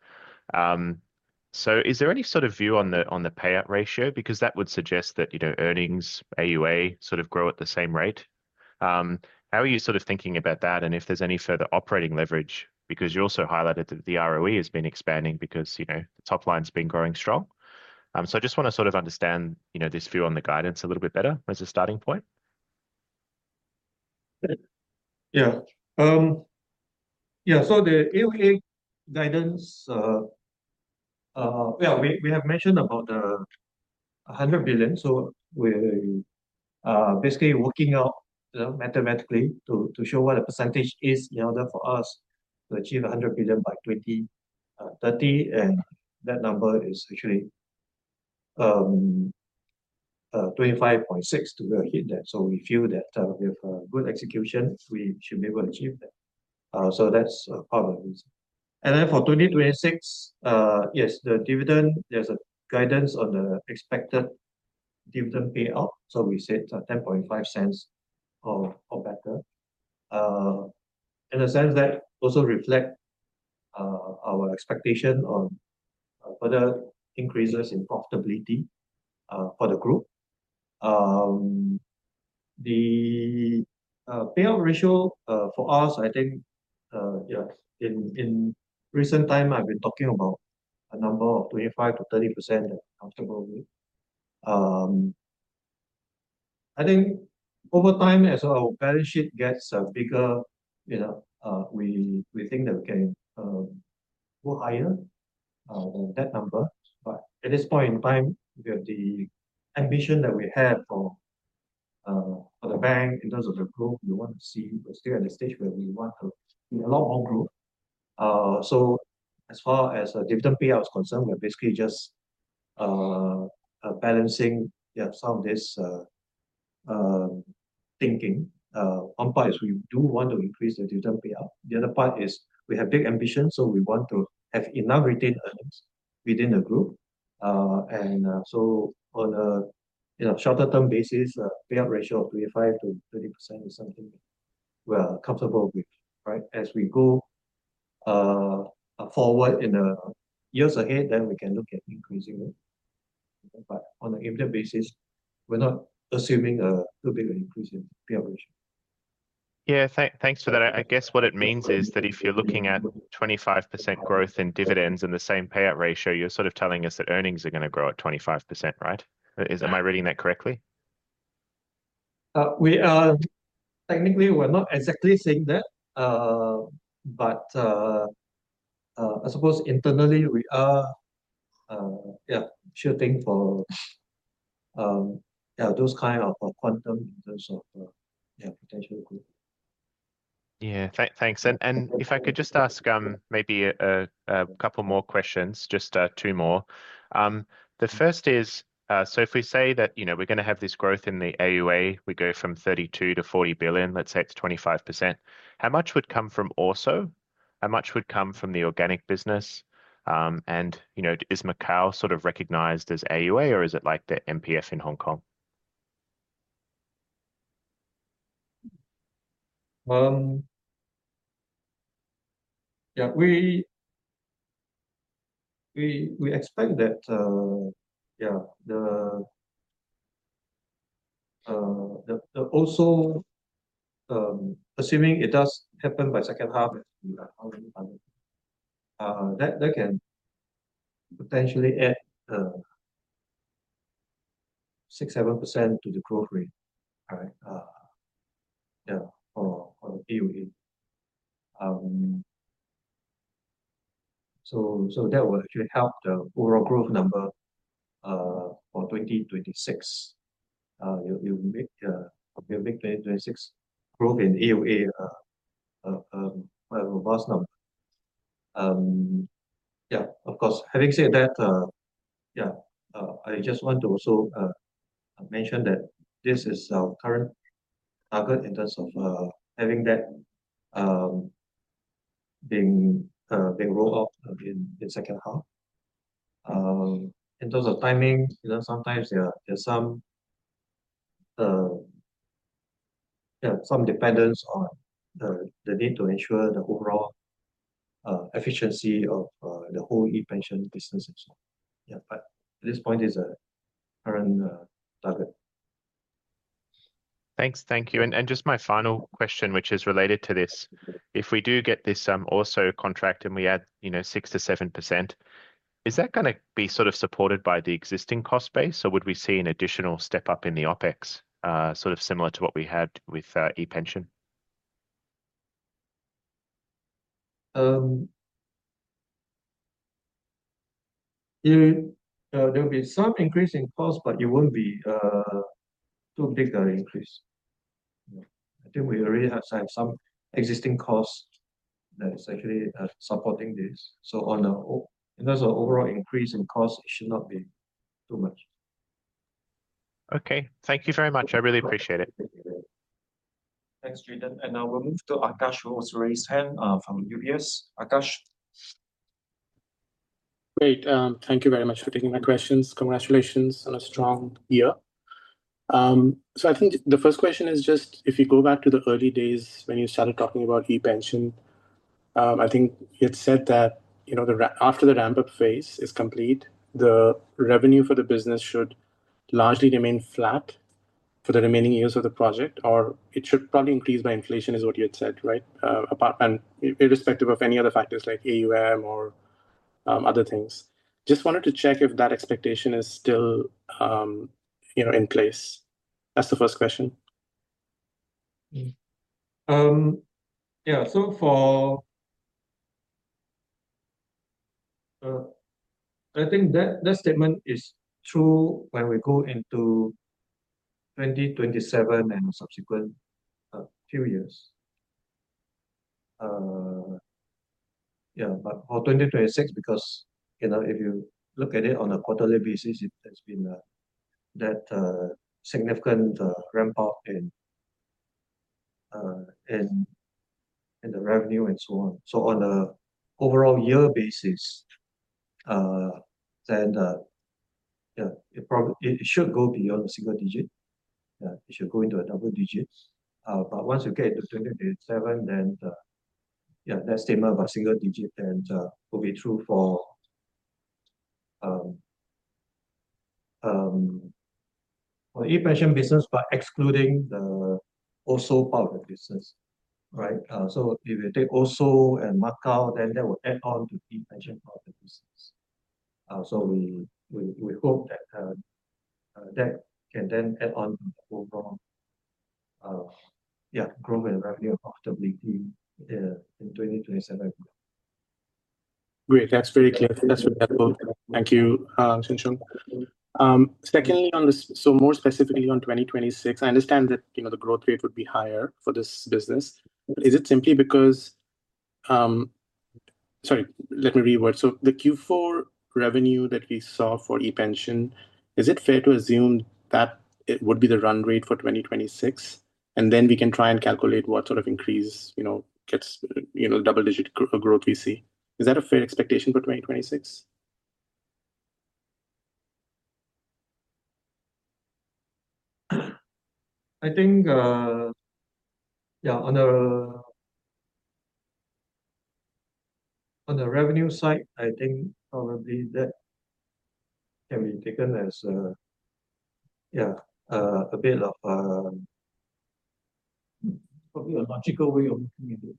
So is there any sort of view on the payout ratio? Because that would suggest that, you know, earnings, AUA, sort of grow at the same rate. How are you sort of thinking about that, and if there's any further operating leverage? Because you also highlighted that the ROE has been expanding because, you know, the top line's been growing strong. I just wanna sort of understand, you know, this view on the guidance a little bit better as a starting point. Yeah. Yeah, so the AUA guidance. Yeah, we have mentioned about 100 billion, so we're basically working out, you know, mathematically to show what the percentage is in order for us to achieve 100 billion by 2030, and that number is actually 25.6% to hit that. So we feel that with good execution, we should be able to achieve that. So that's our plans. And then for 2026, yes, the dividend, there's a guidance on the expected dividend payout, so we said 0.105 or better. In a sense that also reflect our expectation on further increases in profitability for the group. The payout ratio for us, I think, yeah, in recent time, I've been talking about a number of 25%-30% I'm comfortable with. I think over time, as our balance sheet gets bigger, you know, we think that we can go higher on that number. But at this point in time, the ambition that we have for the bank, in terms of the group, we want to see... We're still at the stage where we want to be a lot more group. So as far as dividend payout is concerned, we're basically just balancing, yeah, some of this thinking. One part is we do want to increase the dividend payout. The other part is, we have big ambitions, so we want to have enough retained earnings within the group. So on a, you know, shorter-term basis, payout ratio of 25%-30% is something we're comfortable with, right? As we go forward in years ahead, then we can look at increasing it. But on an interim basis, we're not assuming too big an increase in payout ratio. Yeah, thanks for that. I guess what it means is that if you're looking at 25% growth in dividends and the same payout ratio, you're sort of telling us that earnings are gonna grow at 25%, right? Is... Am I reading that correctly? We are, technically, we're not exactly saying that, but I suppose internally we are, yeah, shooting for, yeah, those kind of a quantum in terms of, yeah, potential growth. Yeah. Thanks. And if I could just ask, maybe a couple more questions, just two more. The first is, so if we say that, you know, we're gonna have this growth in the AUA, we go from 32 billion to 40 billion, let's say it's 25%. How much would come from ORSO? How much would come from the organic business? And, you know, is Macau sort of recognized as AUA, or is it like the MPF in Hong Kong? We expect that the ORSO, assuming it does happen by second half, that can potentially add 6%-7% to the growth rate. All right? For AUA. So that will actually help the overall growth number for 2026. It'll make 2026 growth in AUA quite a robust number. Of course, having said that, I just want to also mention that this is our current target in terms of having that being rolled out in second half. In terms of timing, you know, sometimes there is some dependence on the need to ensure the overall efficiency of the whole ePension business as well. Yeah, but at this point is a current target. Thanks. Thank you. And just my final question, which is related to this: If we do get this ORSO contract and we add, you know, 6%-7%, is that gonna be sort of supported by the existing cost base, or would we see an additional step up in the OpEx, sort of similar to what we had with ePension? There'll be some increase in cost, but it won't be too big an increase. I think we already have some existing costs that is actually supporting this. So in terms of overall increase in cost, it should not be too much. Okay, thank you very much. I really appreciate it. Thank you. Thanks, Jayden. And now we'll move to Aakash, who also raised hand, from UBS. Aakash? Great. Thank you very much for taking my questions. Congratulations on a strong year. So I think the first question is just, if you go back to the early days when you started talking about ePension, I think you had said that, you know, after the ramp-up phase is complete, the revenue for the business should largely remain flat for the remaining years of the project, or it should probably increase by inflation, is what you had said, right? And irrespective of any other factors, like AUA or other things. Just wanted to check if that expectation is still, you know, in place. That's the first question. Yeah, so for... I think that statement is true when we go into 2027 and subsequent few years. Yeah, but or 2026, because, you know, if you look at it on a quarterly basis, it has been that significant ramp up in the revenue and so on. So on a overall year basis, then, yeah, it probably it should go beyond a single digit. It should go into double digits. But once you get to 2027, then, yeah, that statement of a single digit then will be true for ePension business, but excluding the ORSO part of the business, right? So if you take ORSO and Macau, then that will add on to ePension part of the business. So we hope that that can then add on the overall growth in revenue of WPP in 2027. Great, that's very clear. That's very helpful. Thank you, Chung Chun. Secondly, on the... So more specifically on 2026, I understand that, you know, the growth rate would be higher for this business. Mm-hmm. Is it simply because... Sorry, let me reword. So the Q4 revenue that we saw for ePension, is it fair to assume that it would be the run rate for 2026? And then we can try and calculate what sort of increase, you know, gets, you know, double-digit growth we see. Is that a fair expectation for 2026? I think, yeah, on a revenue side, I think probably that can be taken as, yeah, a bit of, probably a logical way of looking at it.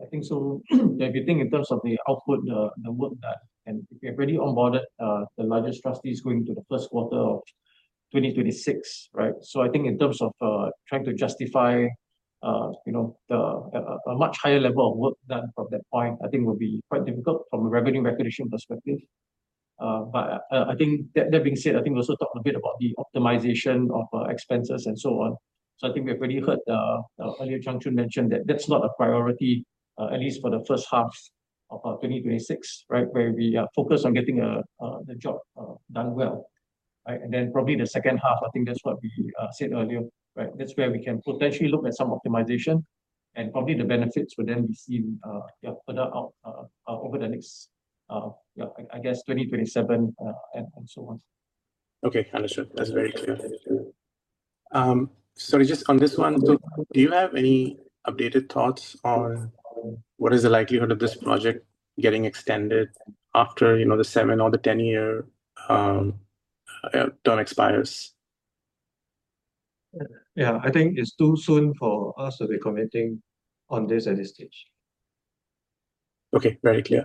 I think so, if you think in terms of the output, the work done, and we have already onboarded, the largest trustees going to the first quarter of 2026, right? So I think in terms of, trying to justify, you know, the, a much higher level of work done from that point, I think will be quite difficult from a revenue recognition perspective. But, I think that, that being said, I think we also talked a bit about the optimization of, expenses and so on. So I think we've already heard earlier Chung Chun mention that that's not a priority at least for the first half of 2026, right? Where we are focused on getting the job done well, right? And then probably the second half, I think that's what we said earlier, right? That's where we can potentially look at some optimization, and probably the benefits will then be seen yeah further out over the next yeah I guess 2027 and so on. Okay, understood. That's very clear. Sorry, just on this one, do you have any updated thoughts on what is the likelihood of this project getting extended after, you know, the seven- or 10-year term expires? Yeah, I think it's too soon for us to be commenting on this at this stage. Okay, very clear.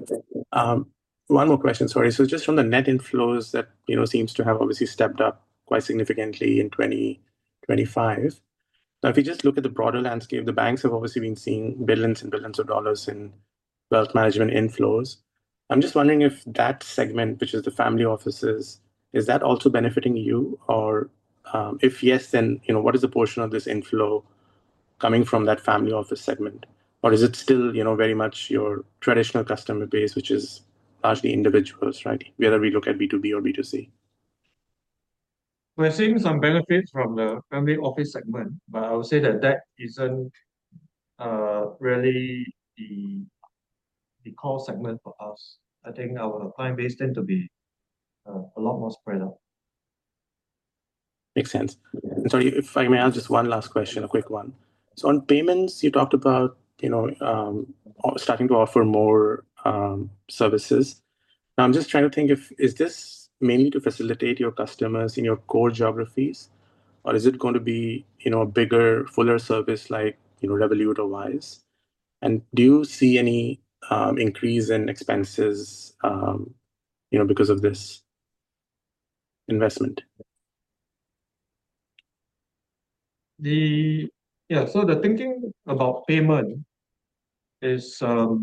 One more question, sorry. So just from the net inflows that, you know, seems to have obviously stepped up quite significantly in 2025. Now, if you just look at the broader landscape, the banks have obviously been seeing billions and billions of dollars in wealth management inflows. I'm just wondering if that segment, which is the family offices, is that also benefiting you? Or, if yes, then, you know, what is the portion of this inflow coming from that family office segment? Or is it still, you know, very much your traditional customer base, which is largely individuals, right? Whether we look at B2B or B2C. We're seeing some benefits from the family office segment, but I would say that that isn't really the core segment for us. I think our client base tend to be a lot more spread out. Makes sense. Yeah. Sorry, if I may ask just one last question, a quick one. So on payments, you talked about, you know, starting to offer more services. Now, I'm just trying to think if is this mainly to facilitate your customers in your core geographies, or is it going to be, you know, a bigger, fuller service like, you know, Revolut or Wise? And do you see any increase in expenses, you know, because of this investment? Yeah, so the thinking about payment is that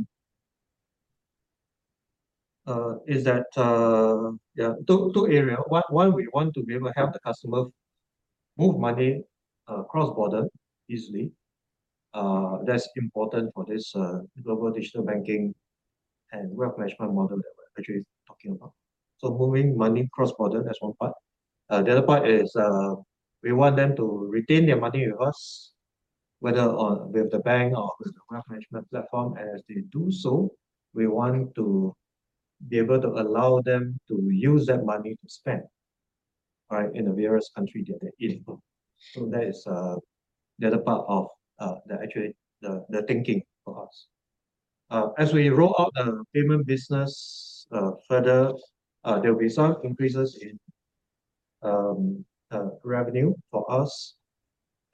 yeah, two areas. One, we want to be able to help the customer move money cross-border easily. That's important for this global digital banking and wealth management model that we're actually talking about. So moving money cross-border, that's one part. The other part is, we want them to retain their money with us, whether with the bank or with the wealth management platform. As they do so, we want to be able to allow them to use that money to spend, right? In the various country that they're in. So that is the other part of actually the thinking for us. As we roll out the payment business further, there'll be some increases in revenue for us.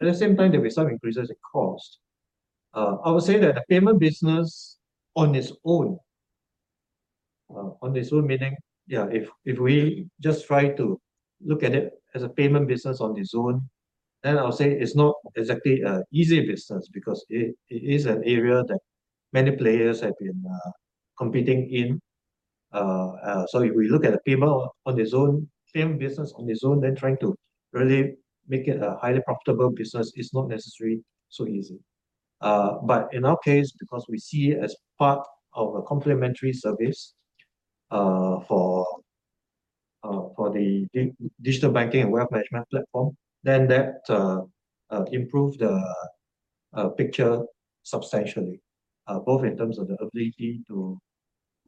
At the same time, there'll be some increases in cost. I would say that the payment business on its own, on its own, meaning, yeah, if, if we just try to look at it as a payment business on its own, then I'll say it's not exactly a easy business because it, it is an area that many players have been, competing in. So if we look at the payment on its own, payment business on its own, then trying to really make it a highly profitable business is not necessarily so easy. But in our case, because we see it as part of a complementary service for the digital banking and wealth management platform, then that improve the picture substantially, both in terms of the ability to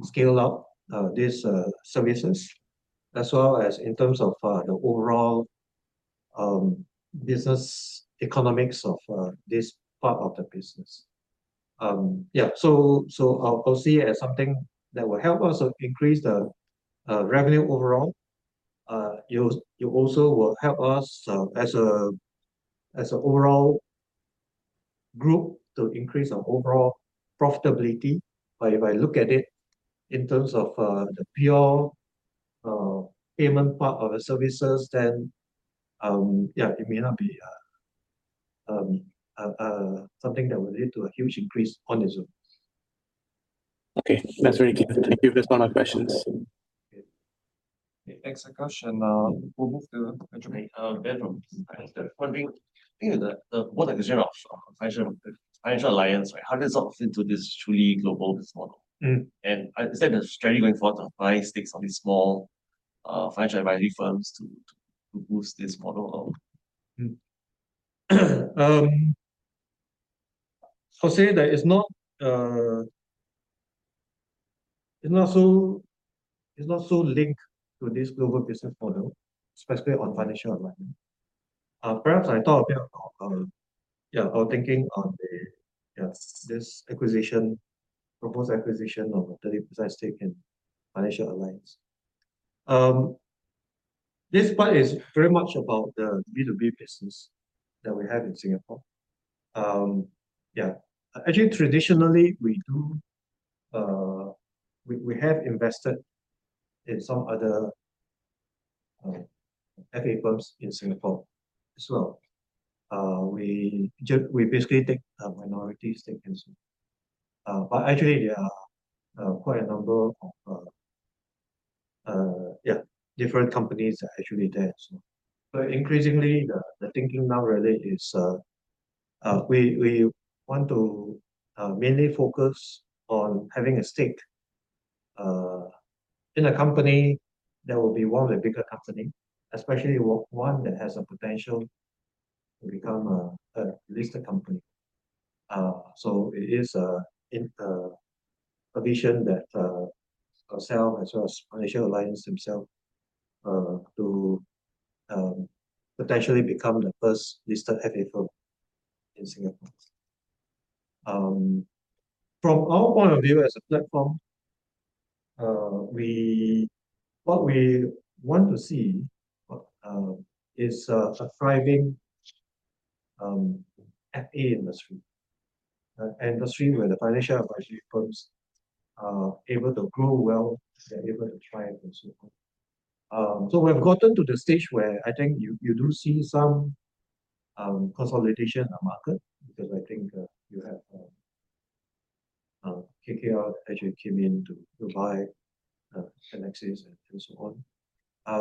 scale up these services, as well as in terms of the overall business economics of this part of the business. Yeah, so I'll see it as something that will help us increase the revenue overall. It will also help us as an overall group to increase our overall profitability. But if I look at it in terms of the pure payment part of the services, then yeah, it may not be something that will lead to a huge increase on its own. Okay, that's very clear. Thank you for answering our questions. Thanks, Aakash, and we'll move to Benjamin.... wondering, you know, what the vision of Financial Alliance, right? How does it fit into this truly global model? Mm. Is there a strategy going forward to buy stakes on these small financial advisory firms to boost this model up? So say that it's not, it's not so linked to this global business model, especially on Financial Alliance. Perhaps I talk a bit about, yeah, about thinking on the, yeah, this acquisition, proposed acquisition of a 30% stake in Financial Alliance. This part is very much about the B2B business that we have in Singapore. Yeah. Actually, traditionally, we have invested in some other FA firms in Singapore as well. We just, we basically take minority stakes in some. But actually, quite a number of, yeah, different companies are actually there. So, but increasingly, the thinking now really is, we want to mainly focus on having a stake in a company that will be one of the bigger company, especially one that has a potential to become a listed company. So it is in a vision that ourselves as well as Financial Alliance themselves to potentially become the first listed FA firm in Singapore. From our point of view as a platform, what we want to see is a thriving FA industry. An industry where the financial advisory firms are able to grow well, they're able to thrive and so forth. So we've gotten to the stage where I think you, you do see some consolidation in the market, because I think you have KKR actually came in to buy Selexis and so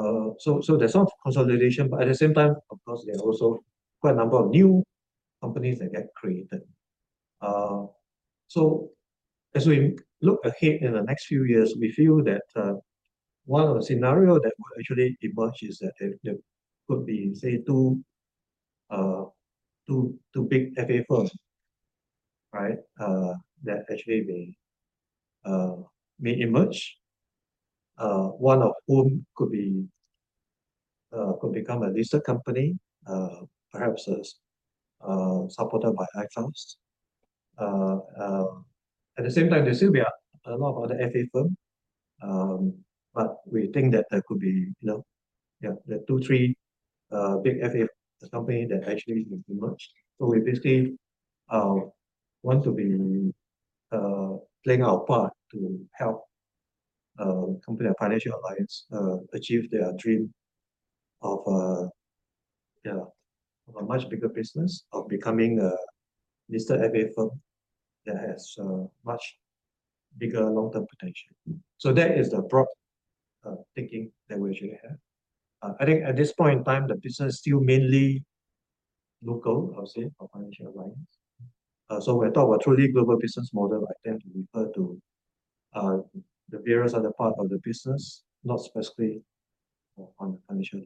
on. So there's some consolidation, but at the same time, of course, there are also quite a number of new companies that get created. So as we look ahead in the next few years, we feel that one of the scenario that will actually emerge is that there could be, say, two, two, two big FA firms, right? That actually may, may emerge, one of whom could be could become a listed company, perhaps as supported by Axos. At the same time, there still be a lot of other FA firm, but we think that there could be, you know, yeah, two, three, big FA company that actually merge. So we basically want to be playing our part to help company like Financial Alliance achieve their dream of, yeah, a much bigger business of becoming a listed FA firm that has a much bigger long-term potential. So that is the broad thinking that we should have. I think at this point in time, the business is still mainly local, I would say, for Financial Alliance. So when I talk about truly global business model, I tend to refer to the various other part of the business, not specifically on the financial side.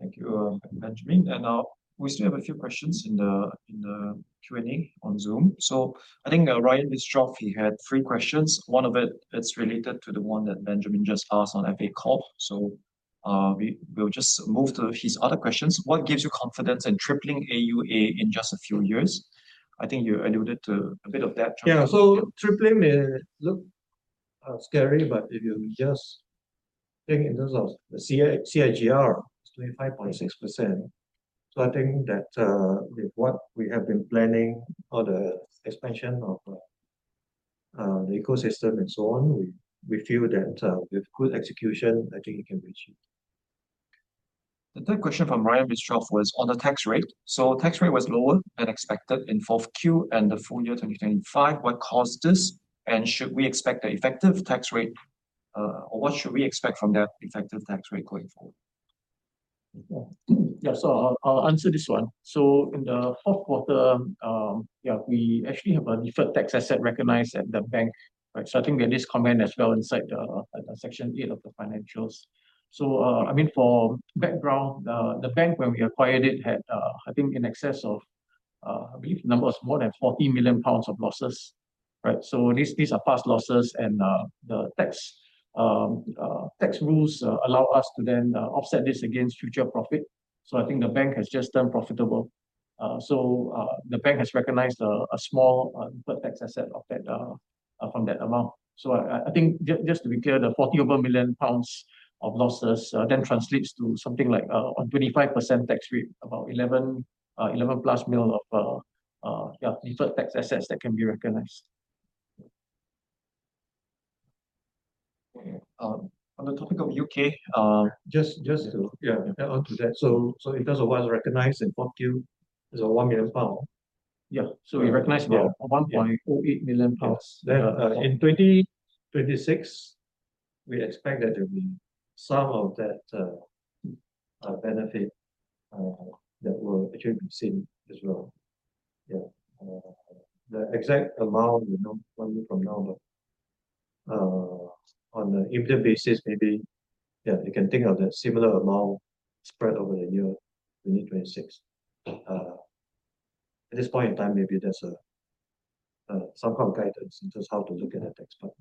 Thank you, Benjamin. And now we still have a few questions in the Q&A on Zoom. So I think, Ryan Bischoff, he had three questions. One of it, it's related to the one that Benjamin just asked on FA Corp. So, we, we'll just move to his other questions. What gives you confidence in tripling AUA in just a few years? I think you alluded to a bit of that. Yeah. So tripling may look scary, but if you just think in terms of the CAGR, it's 25.6%. So I think that, with what we have been planning for the expansion of the ecosystem and so on, we feel that, with good execution, I think we can reach it. The third question from Ryan Bischoff was on the tax rate. Tax rate was lower than expected in fourth Q and the full year 2025. What caused this? And should we expect the effective tax rate, or what should we expect from that effective tax rate going forward? Yeah. Yeah, so I'll, I'll answer this one. So in the fourth quarter, yeah, we actually have a deferred tax asset recognized at the bank, right? So I think there's this comment as well inside the, section eight of the financials. So, I mean, for background, the bank, when we acquired it, had, I think in excess of, I believe numbers more than 40 million pounds of losses, right? So these, these are past losses, and, the tax rules, allow us to then, offset this against future profit. So I think the bank has just turned profitable. So, the bank has recognized a, a small, tax asset of that, from that amount. I think just to be clear, the over 40 million pounds of losses then translates to something like, on 25% tax rate, about 11+ million of, yeah, deferred tax assets that can be recognized. Okay. On the topic of U.K., Just to, yeah, add on to that. So in terms of what is recognized in 4Q is 1 million pound. Yeah, so we recognize about 1.48 million pounds. Yeah. In 2026, we expect that there'll be some of that benefit that will actually be seen as well. Yeah. The exact amount, we know one year from now, but on the income basis, maybe, yeah, you can think of the similar amount spread over the year 2026. At this point in time, maybe that's some kind of guidance in just how to look at that tax part.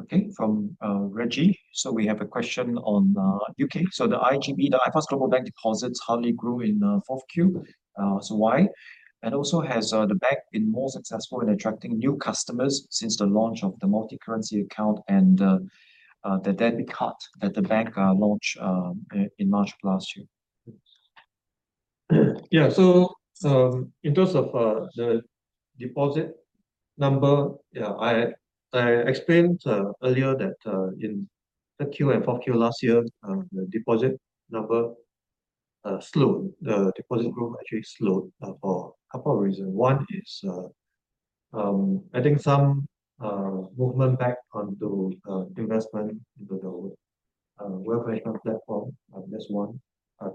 Okay, from Reggie. So we have a question on U.K. So the iGB, the iFAST Global Bank deposits, hardly grew in 4Q. So why? And also, has the bank been more successful in attracting new customers since the launch of the multicurrency account and the debit card that the bank launched in March of last year? Yeah. So, in terms of the deposit number, yeah, I explained earlier that in the Q and 4Q last year, the deposit number slowed. The deposit growth actually slowed for a couple of reasons. One is, I think some movement back on to investment into the work income platform, that's one.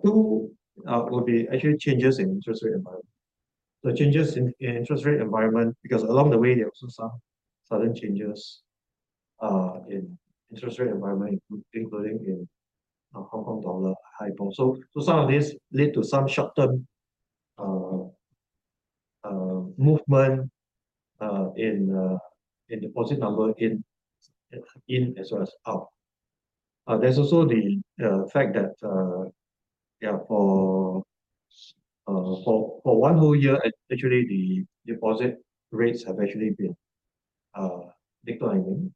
Two, would be actually changes in interest rate environment. The changes in interest rate environment, because along the way, there were some sudden changes in interest rate environment, including in Hong Kong dollar hikes. So, some of this lead to some short-term movement in deposit number, in as well as out. There's also the fact that, yeah, for one whole year, actually, the deposit rates have actually been declining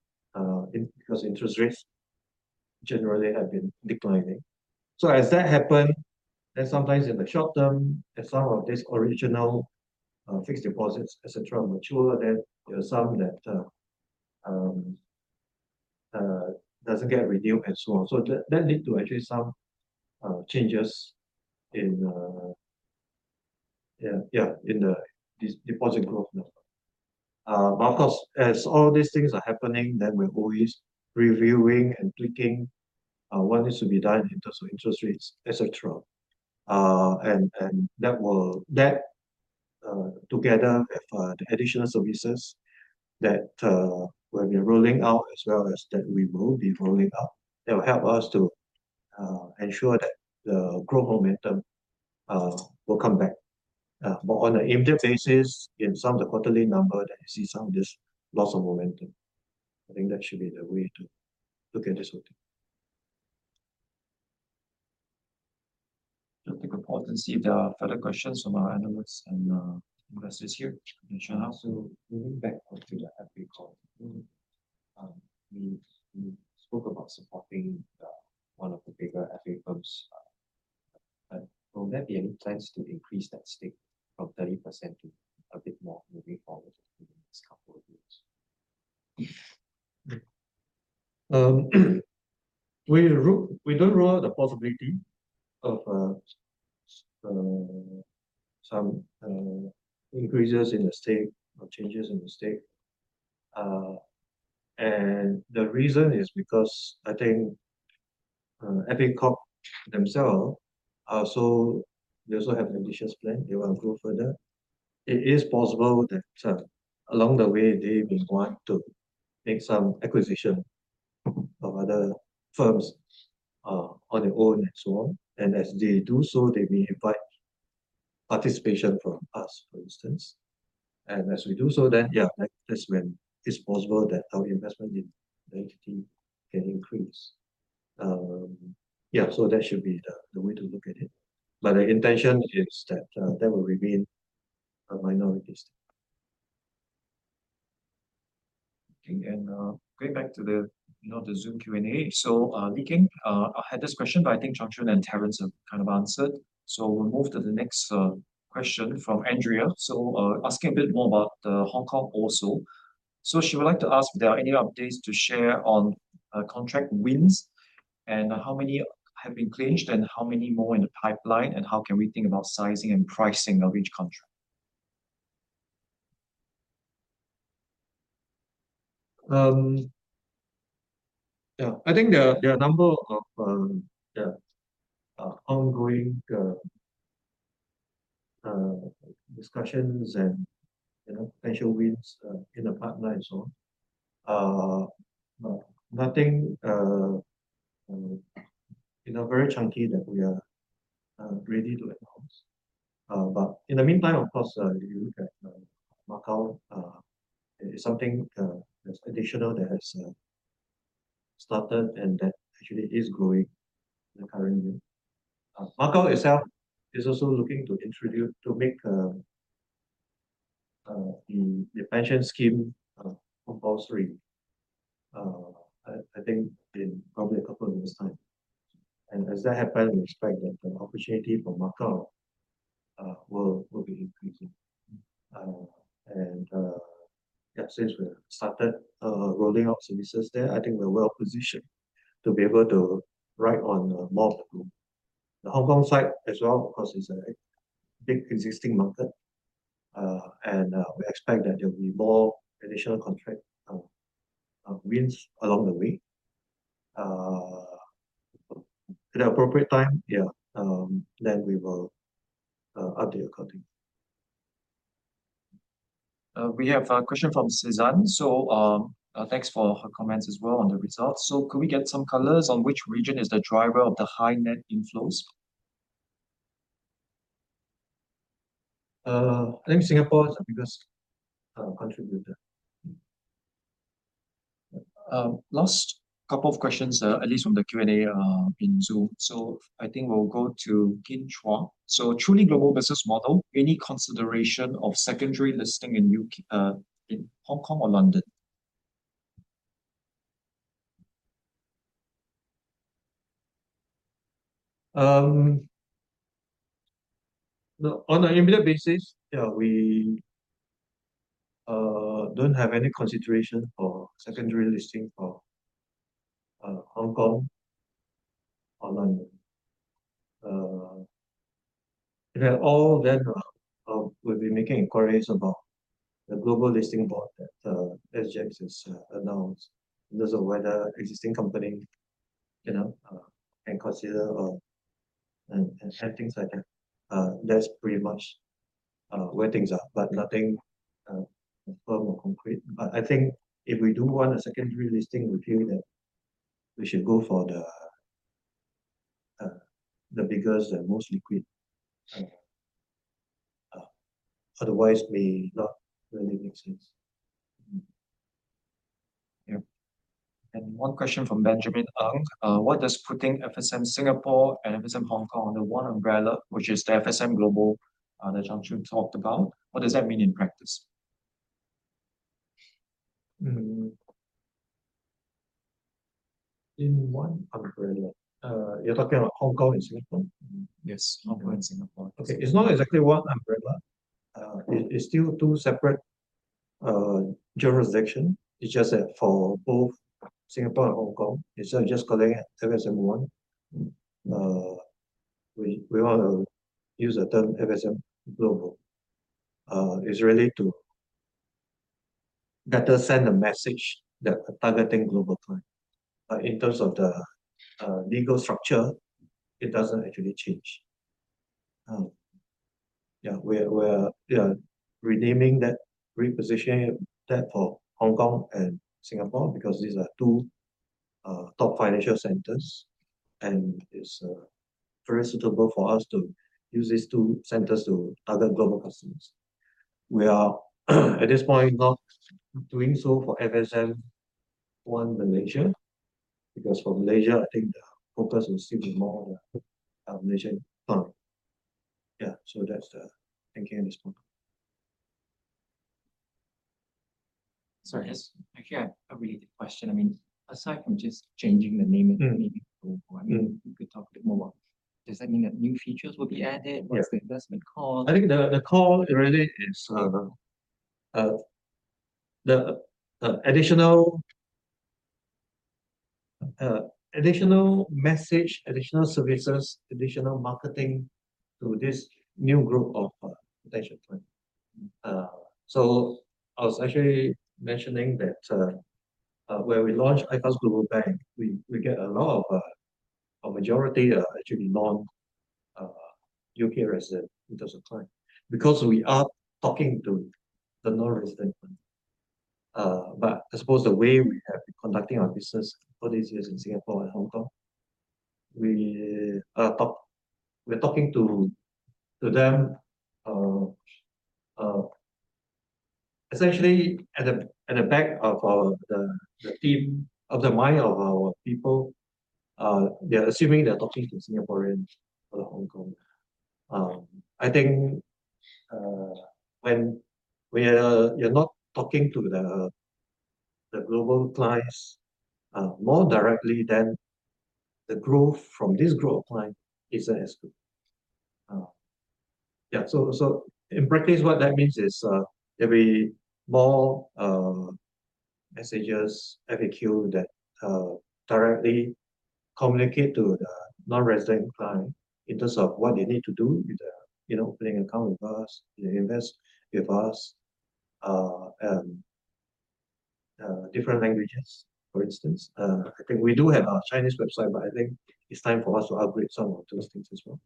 because interest rates generally have been declining. So as that happen, then sometimes in the short term, as some of this original fixed deposits, et cetera, mature, then there are some that doesn't get renewed and so on. So that lead to actually some changes in... Yeah, in the deposit growth number. But of course, as all these things are happening, then we're always reviewing and tweaking what needs to be done in terms of interest rates, et cetera. And that will, together with the additional services that we're rolling out as well as that we will be rolling out, it will help us to ensure that the growth momentum will come back. But on an immediate basis, in some of the quarterly number that you see, some of this loss of momentum. I think that should be the way to look at this whole thing. Just take a pause and see if there are further questions from our analysts and investors here. Also, moving back on to the FA Corp. You spoke about supporting one of the bigger FA firms.... Will there be any plans to increase that stake from 30% to a bit more moving forward in the next couple of years? We don't rule out the possibility of some increases in the stake or changes in the stake. The reason is because I think FA Corp themselves are also, they also have ambitious plan. They want to grow further. It is possible that along the way, they will want to make some acquisition of other firms on their own and so on. As they do so, they may invite participation from us, for instance. As we do so, then that's when it's possible that our investment in the entity can increase. So that should be the way to look at it, but the intention is that that will remain a minority stake. Okay, and going back to the, you know, the Zoom Q&A. So, we can, I had this question, but I think Chung Chun and Terence have kind of answered. So we'll move to the next question from Andrea. So, asking a bit more about Hong Kong also. So she would like to ask if there are any updates to share on contract wins, and how many have been clinched, and how many more in the pipeline, and how can we think about sizing and pricing of each contract? Yeah, I think there are a number of ongoing discussions and, you know, potential wins in the pipeline, so, but nothing, you know, very chunky that we are ready to announce. But in the meantime, of course, you look at Macau, is something that's additional, that has started and that actually is growing in the current year. Macau itself is also looking to introduce... to make the pension scheme compulsory, I think in probably a couple of years' time. And as that happens, we expect that the opportunity for Macau will be increasing. And yeah, since we have started rolling out services there, I think we're well positioned to be able to ride on more of the group. The Hong Kong side as well, of course, is a big existing market, and we expect that there'll be more additional contract wins along the way. At the appropriate time, yeah, then we will update accordingly. We have a question from Suzanne. So, thanks for her comments as well on the results. So could we get some colors on which region is the driver of the high net inflows? I think Singapore is the biggest contributor. Last couple of questions, at least from the Q&A, in Zoom. So I think we'll go to Kin Chua. So truly global business model, any consideration of secondary listing in U.K., in Hong Kong or London? On an immediate basis, yeah, we don't have any consideration for secondary listing for Hong Kong or London. We have all that. We've been making inquiries about the global listing board that SGX has announced, and also whether existing company, you know, can consider or, and things like that. That's pretty much where things are, but nothing firm or concrete. But I think if we do want a secondary listing, we feel that we should go for the biggest and most liquid. Otherwise may not really make sense. Yeah. And one question from Benjamin Ang. What does putting FSM Singapore and FSM Hong Kong under one umbrella, which is the FSM Global, that Chung Chun talked about, what does that mean in practice? In one umbrella? You're talking about Hong Kong and Singapore? Mm, yes, Hong Kong and Singapore. Okay. It's not exactly one umbrella. It's still two separate jurisdictions. It's just that for both Singapore and Hong Kong, instead of just calling it FSMOne, we want to use the term FSM Global. It's really to... That does send a message that we're targeting global clients. In terms of the legal structure, it doesn't actually change. Yeah, we're renaming that, repositioning that for Hong Kong and Singapore because these are two top financial centers, and it's very suitable for us to use these two centers to other global customers. We are, at this point, not doing so for FSMOne Malaysia, because for Malaysia, I think the focus will still be more on the Malaysian firm. Yeah, so that's the thinking at this point. So I just, I actually have a really good question. I mean, aside from just changing the name and maybe, I mean, we could talk a bit more about, does that mean that new features will be added? Yeah. What's the investment call? I think the call really is the additional message, additional services, additional marketing to this new group of potential client. So I was actually mentioning that when we launched iFAST Global Bank, we get a lot of a majority actually non-U.K. resident in terms of client, because we are talking to the non-resident one. But I suppose the way we have been conducting our business for these years in Singapore and Hong Kong, we're talking to them essentially at the back of our team's mind of our people, they're assuming they're talking to Singaporeans or Hong Kong. I think, when you're not talking to the global clients more directly, then the growth from this growth plan is excellent. Yeah, so in practice, what that means is, there'll be more messages, FAQ that directly communicate to the non-resident client in terms of what they need to do with, you know, opening account with us, invest with us, different languages, for instance. I think we do have a Chinese website, but I think it's time for us to upgrade some of those things as well.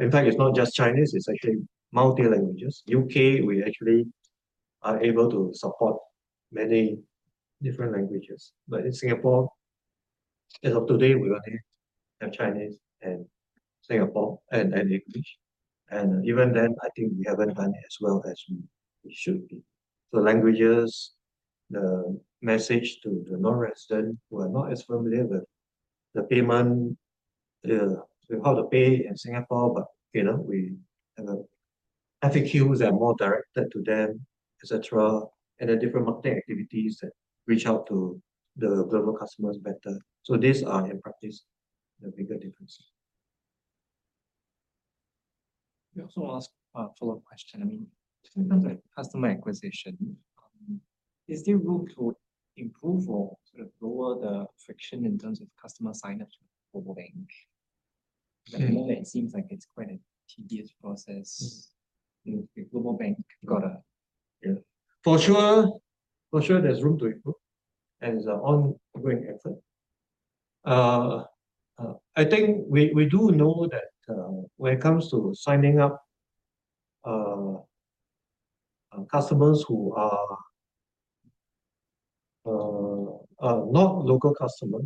In fact, it's not just Chinese, it's actually multi languages. U.K., we actually are able to support many different languages, but in Singapore, as of today, we only have Chinese and Singapore, and English. And even then, I think we haven't done as well as we should be. So languages, the message to the non-resident who are not as familiar with the payment, how to pay in Singapore, but, you know, we have FAQs that are more directed to them, et cetera, and the different marketing activities that reach out to the global customers better. So these are in practice the bigger differences. May I also ask a follow-up question? I mean, in terms of customer acquisition, is there room to improve or sort of lower the friction in terms of customer sign-up with Global Bank? Mm. It seems like it's quite a tedious process. Mm. Global Bank got a... Yeah. For sure, for sure there's room to improve, and it's an ongoing effort. I think we do know that when it comes to signing up customers who are not local customer,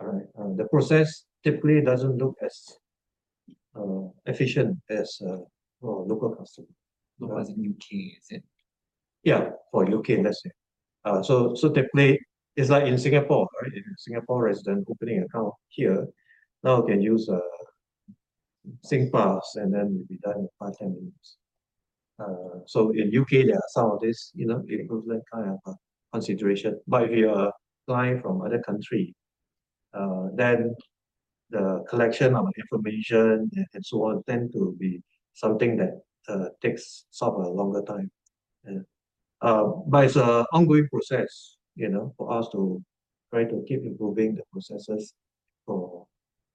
the process typically doesn't look as efficient as local customer. Local as in U.K., is it? Yeah, for U.K., let's say. So, so typically, it's like in Singapore, right? If a Singapore resident opening an account here, now can use, Singpass, and then it'll be done in five, 10 minutes. So in U.K., there are some of this, you know, it includes that kind of consideration. But if you are flying from other country, then the collection of information and so on, tend to be something that, takes somewhat a longer time. And, but it's a ongoing process, you know, for us to try to keep improving the processes for,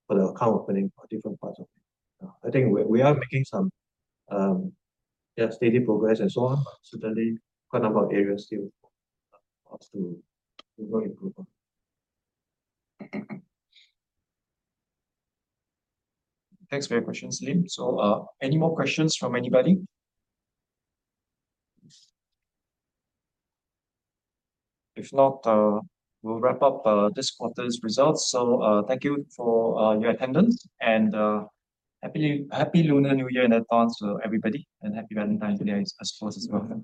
for the account opening for different parts of it. I think we, we are making some, yeah, steady progress and so on. Certainly, quite a number of areas still for us to, to work and improve on. Thanks for your questions, Lin. Any more questions from anybody? If not, we'll wrap up this quarter's results. Thank you for your attendance, and happy, happy Lunar New Year in advance to everybody, and happy Valentine's Day as well as well.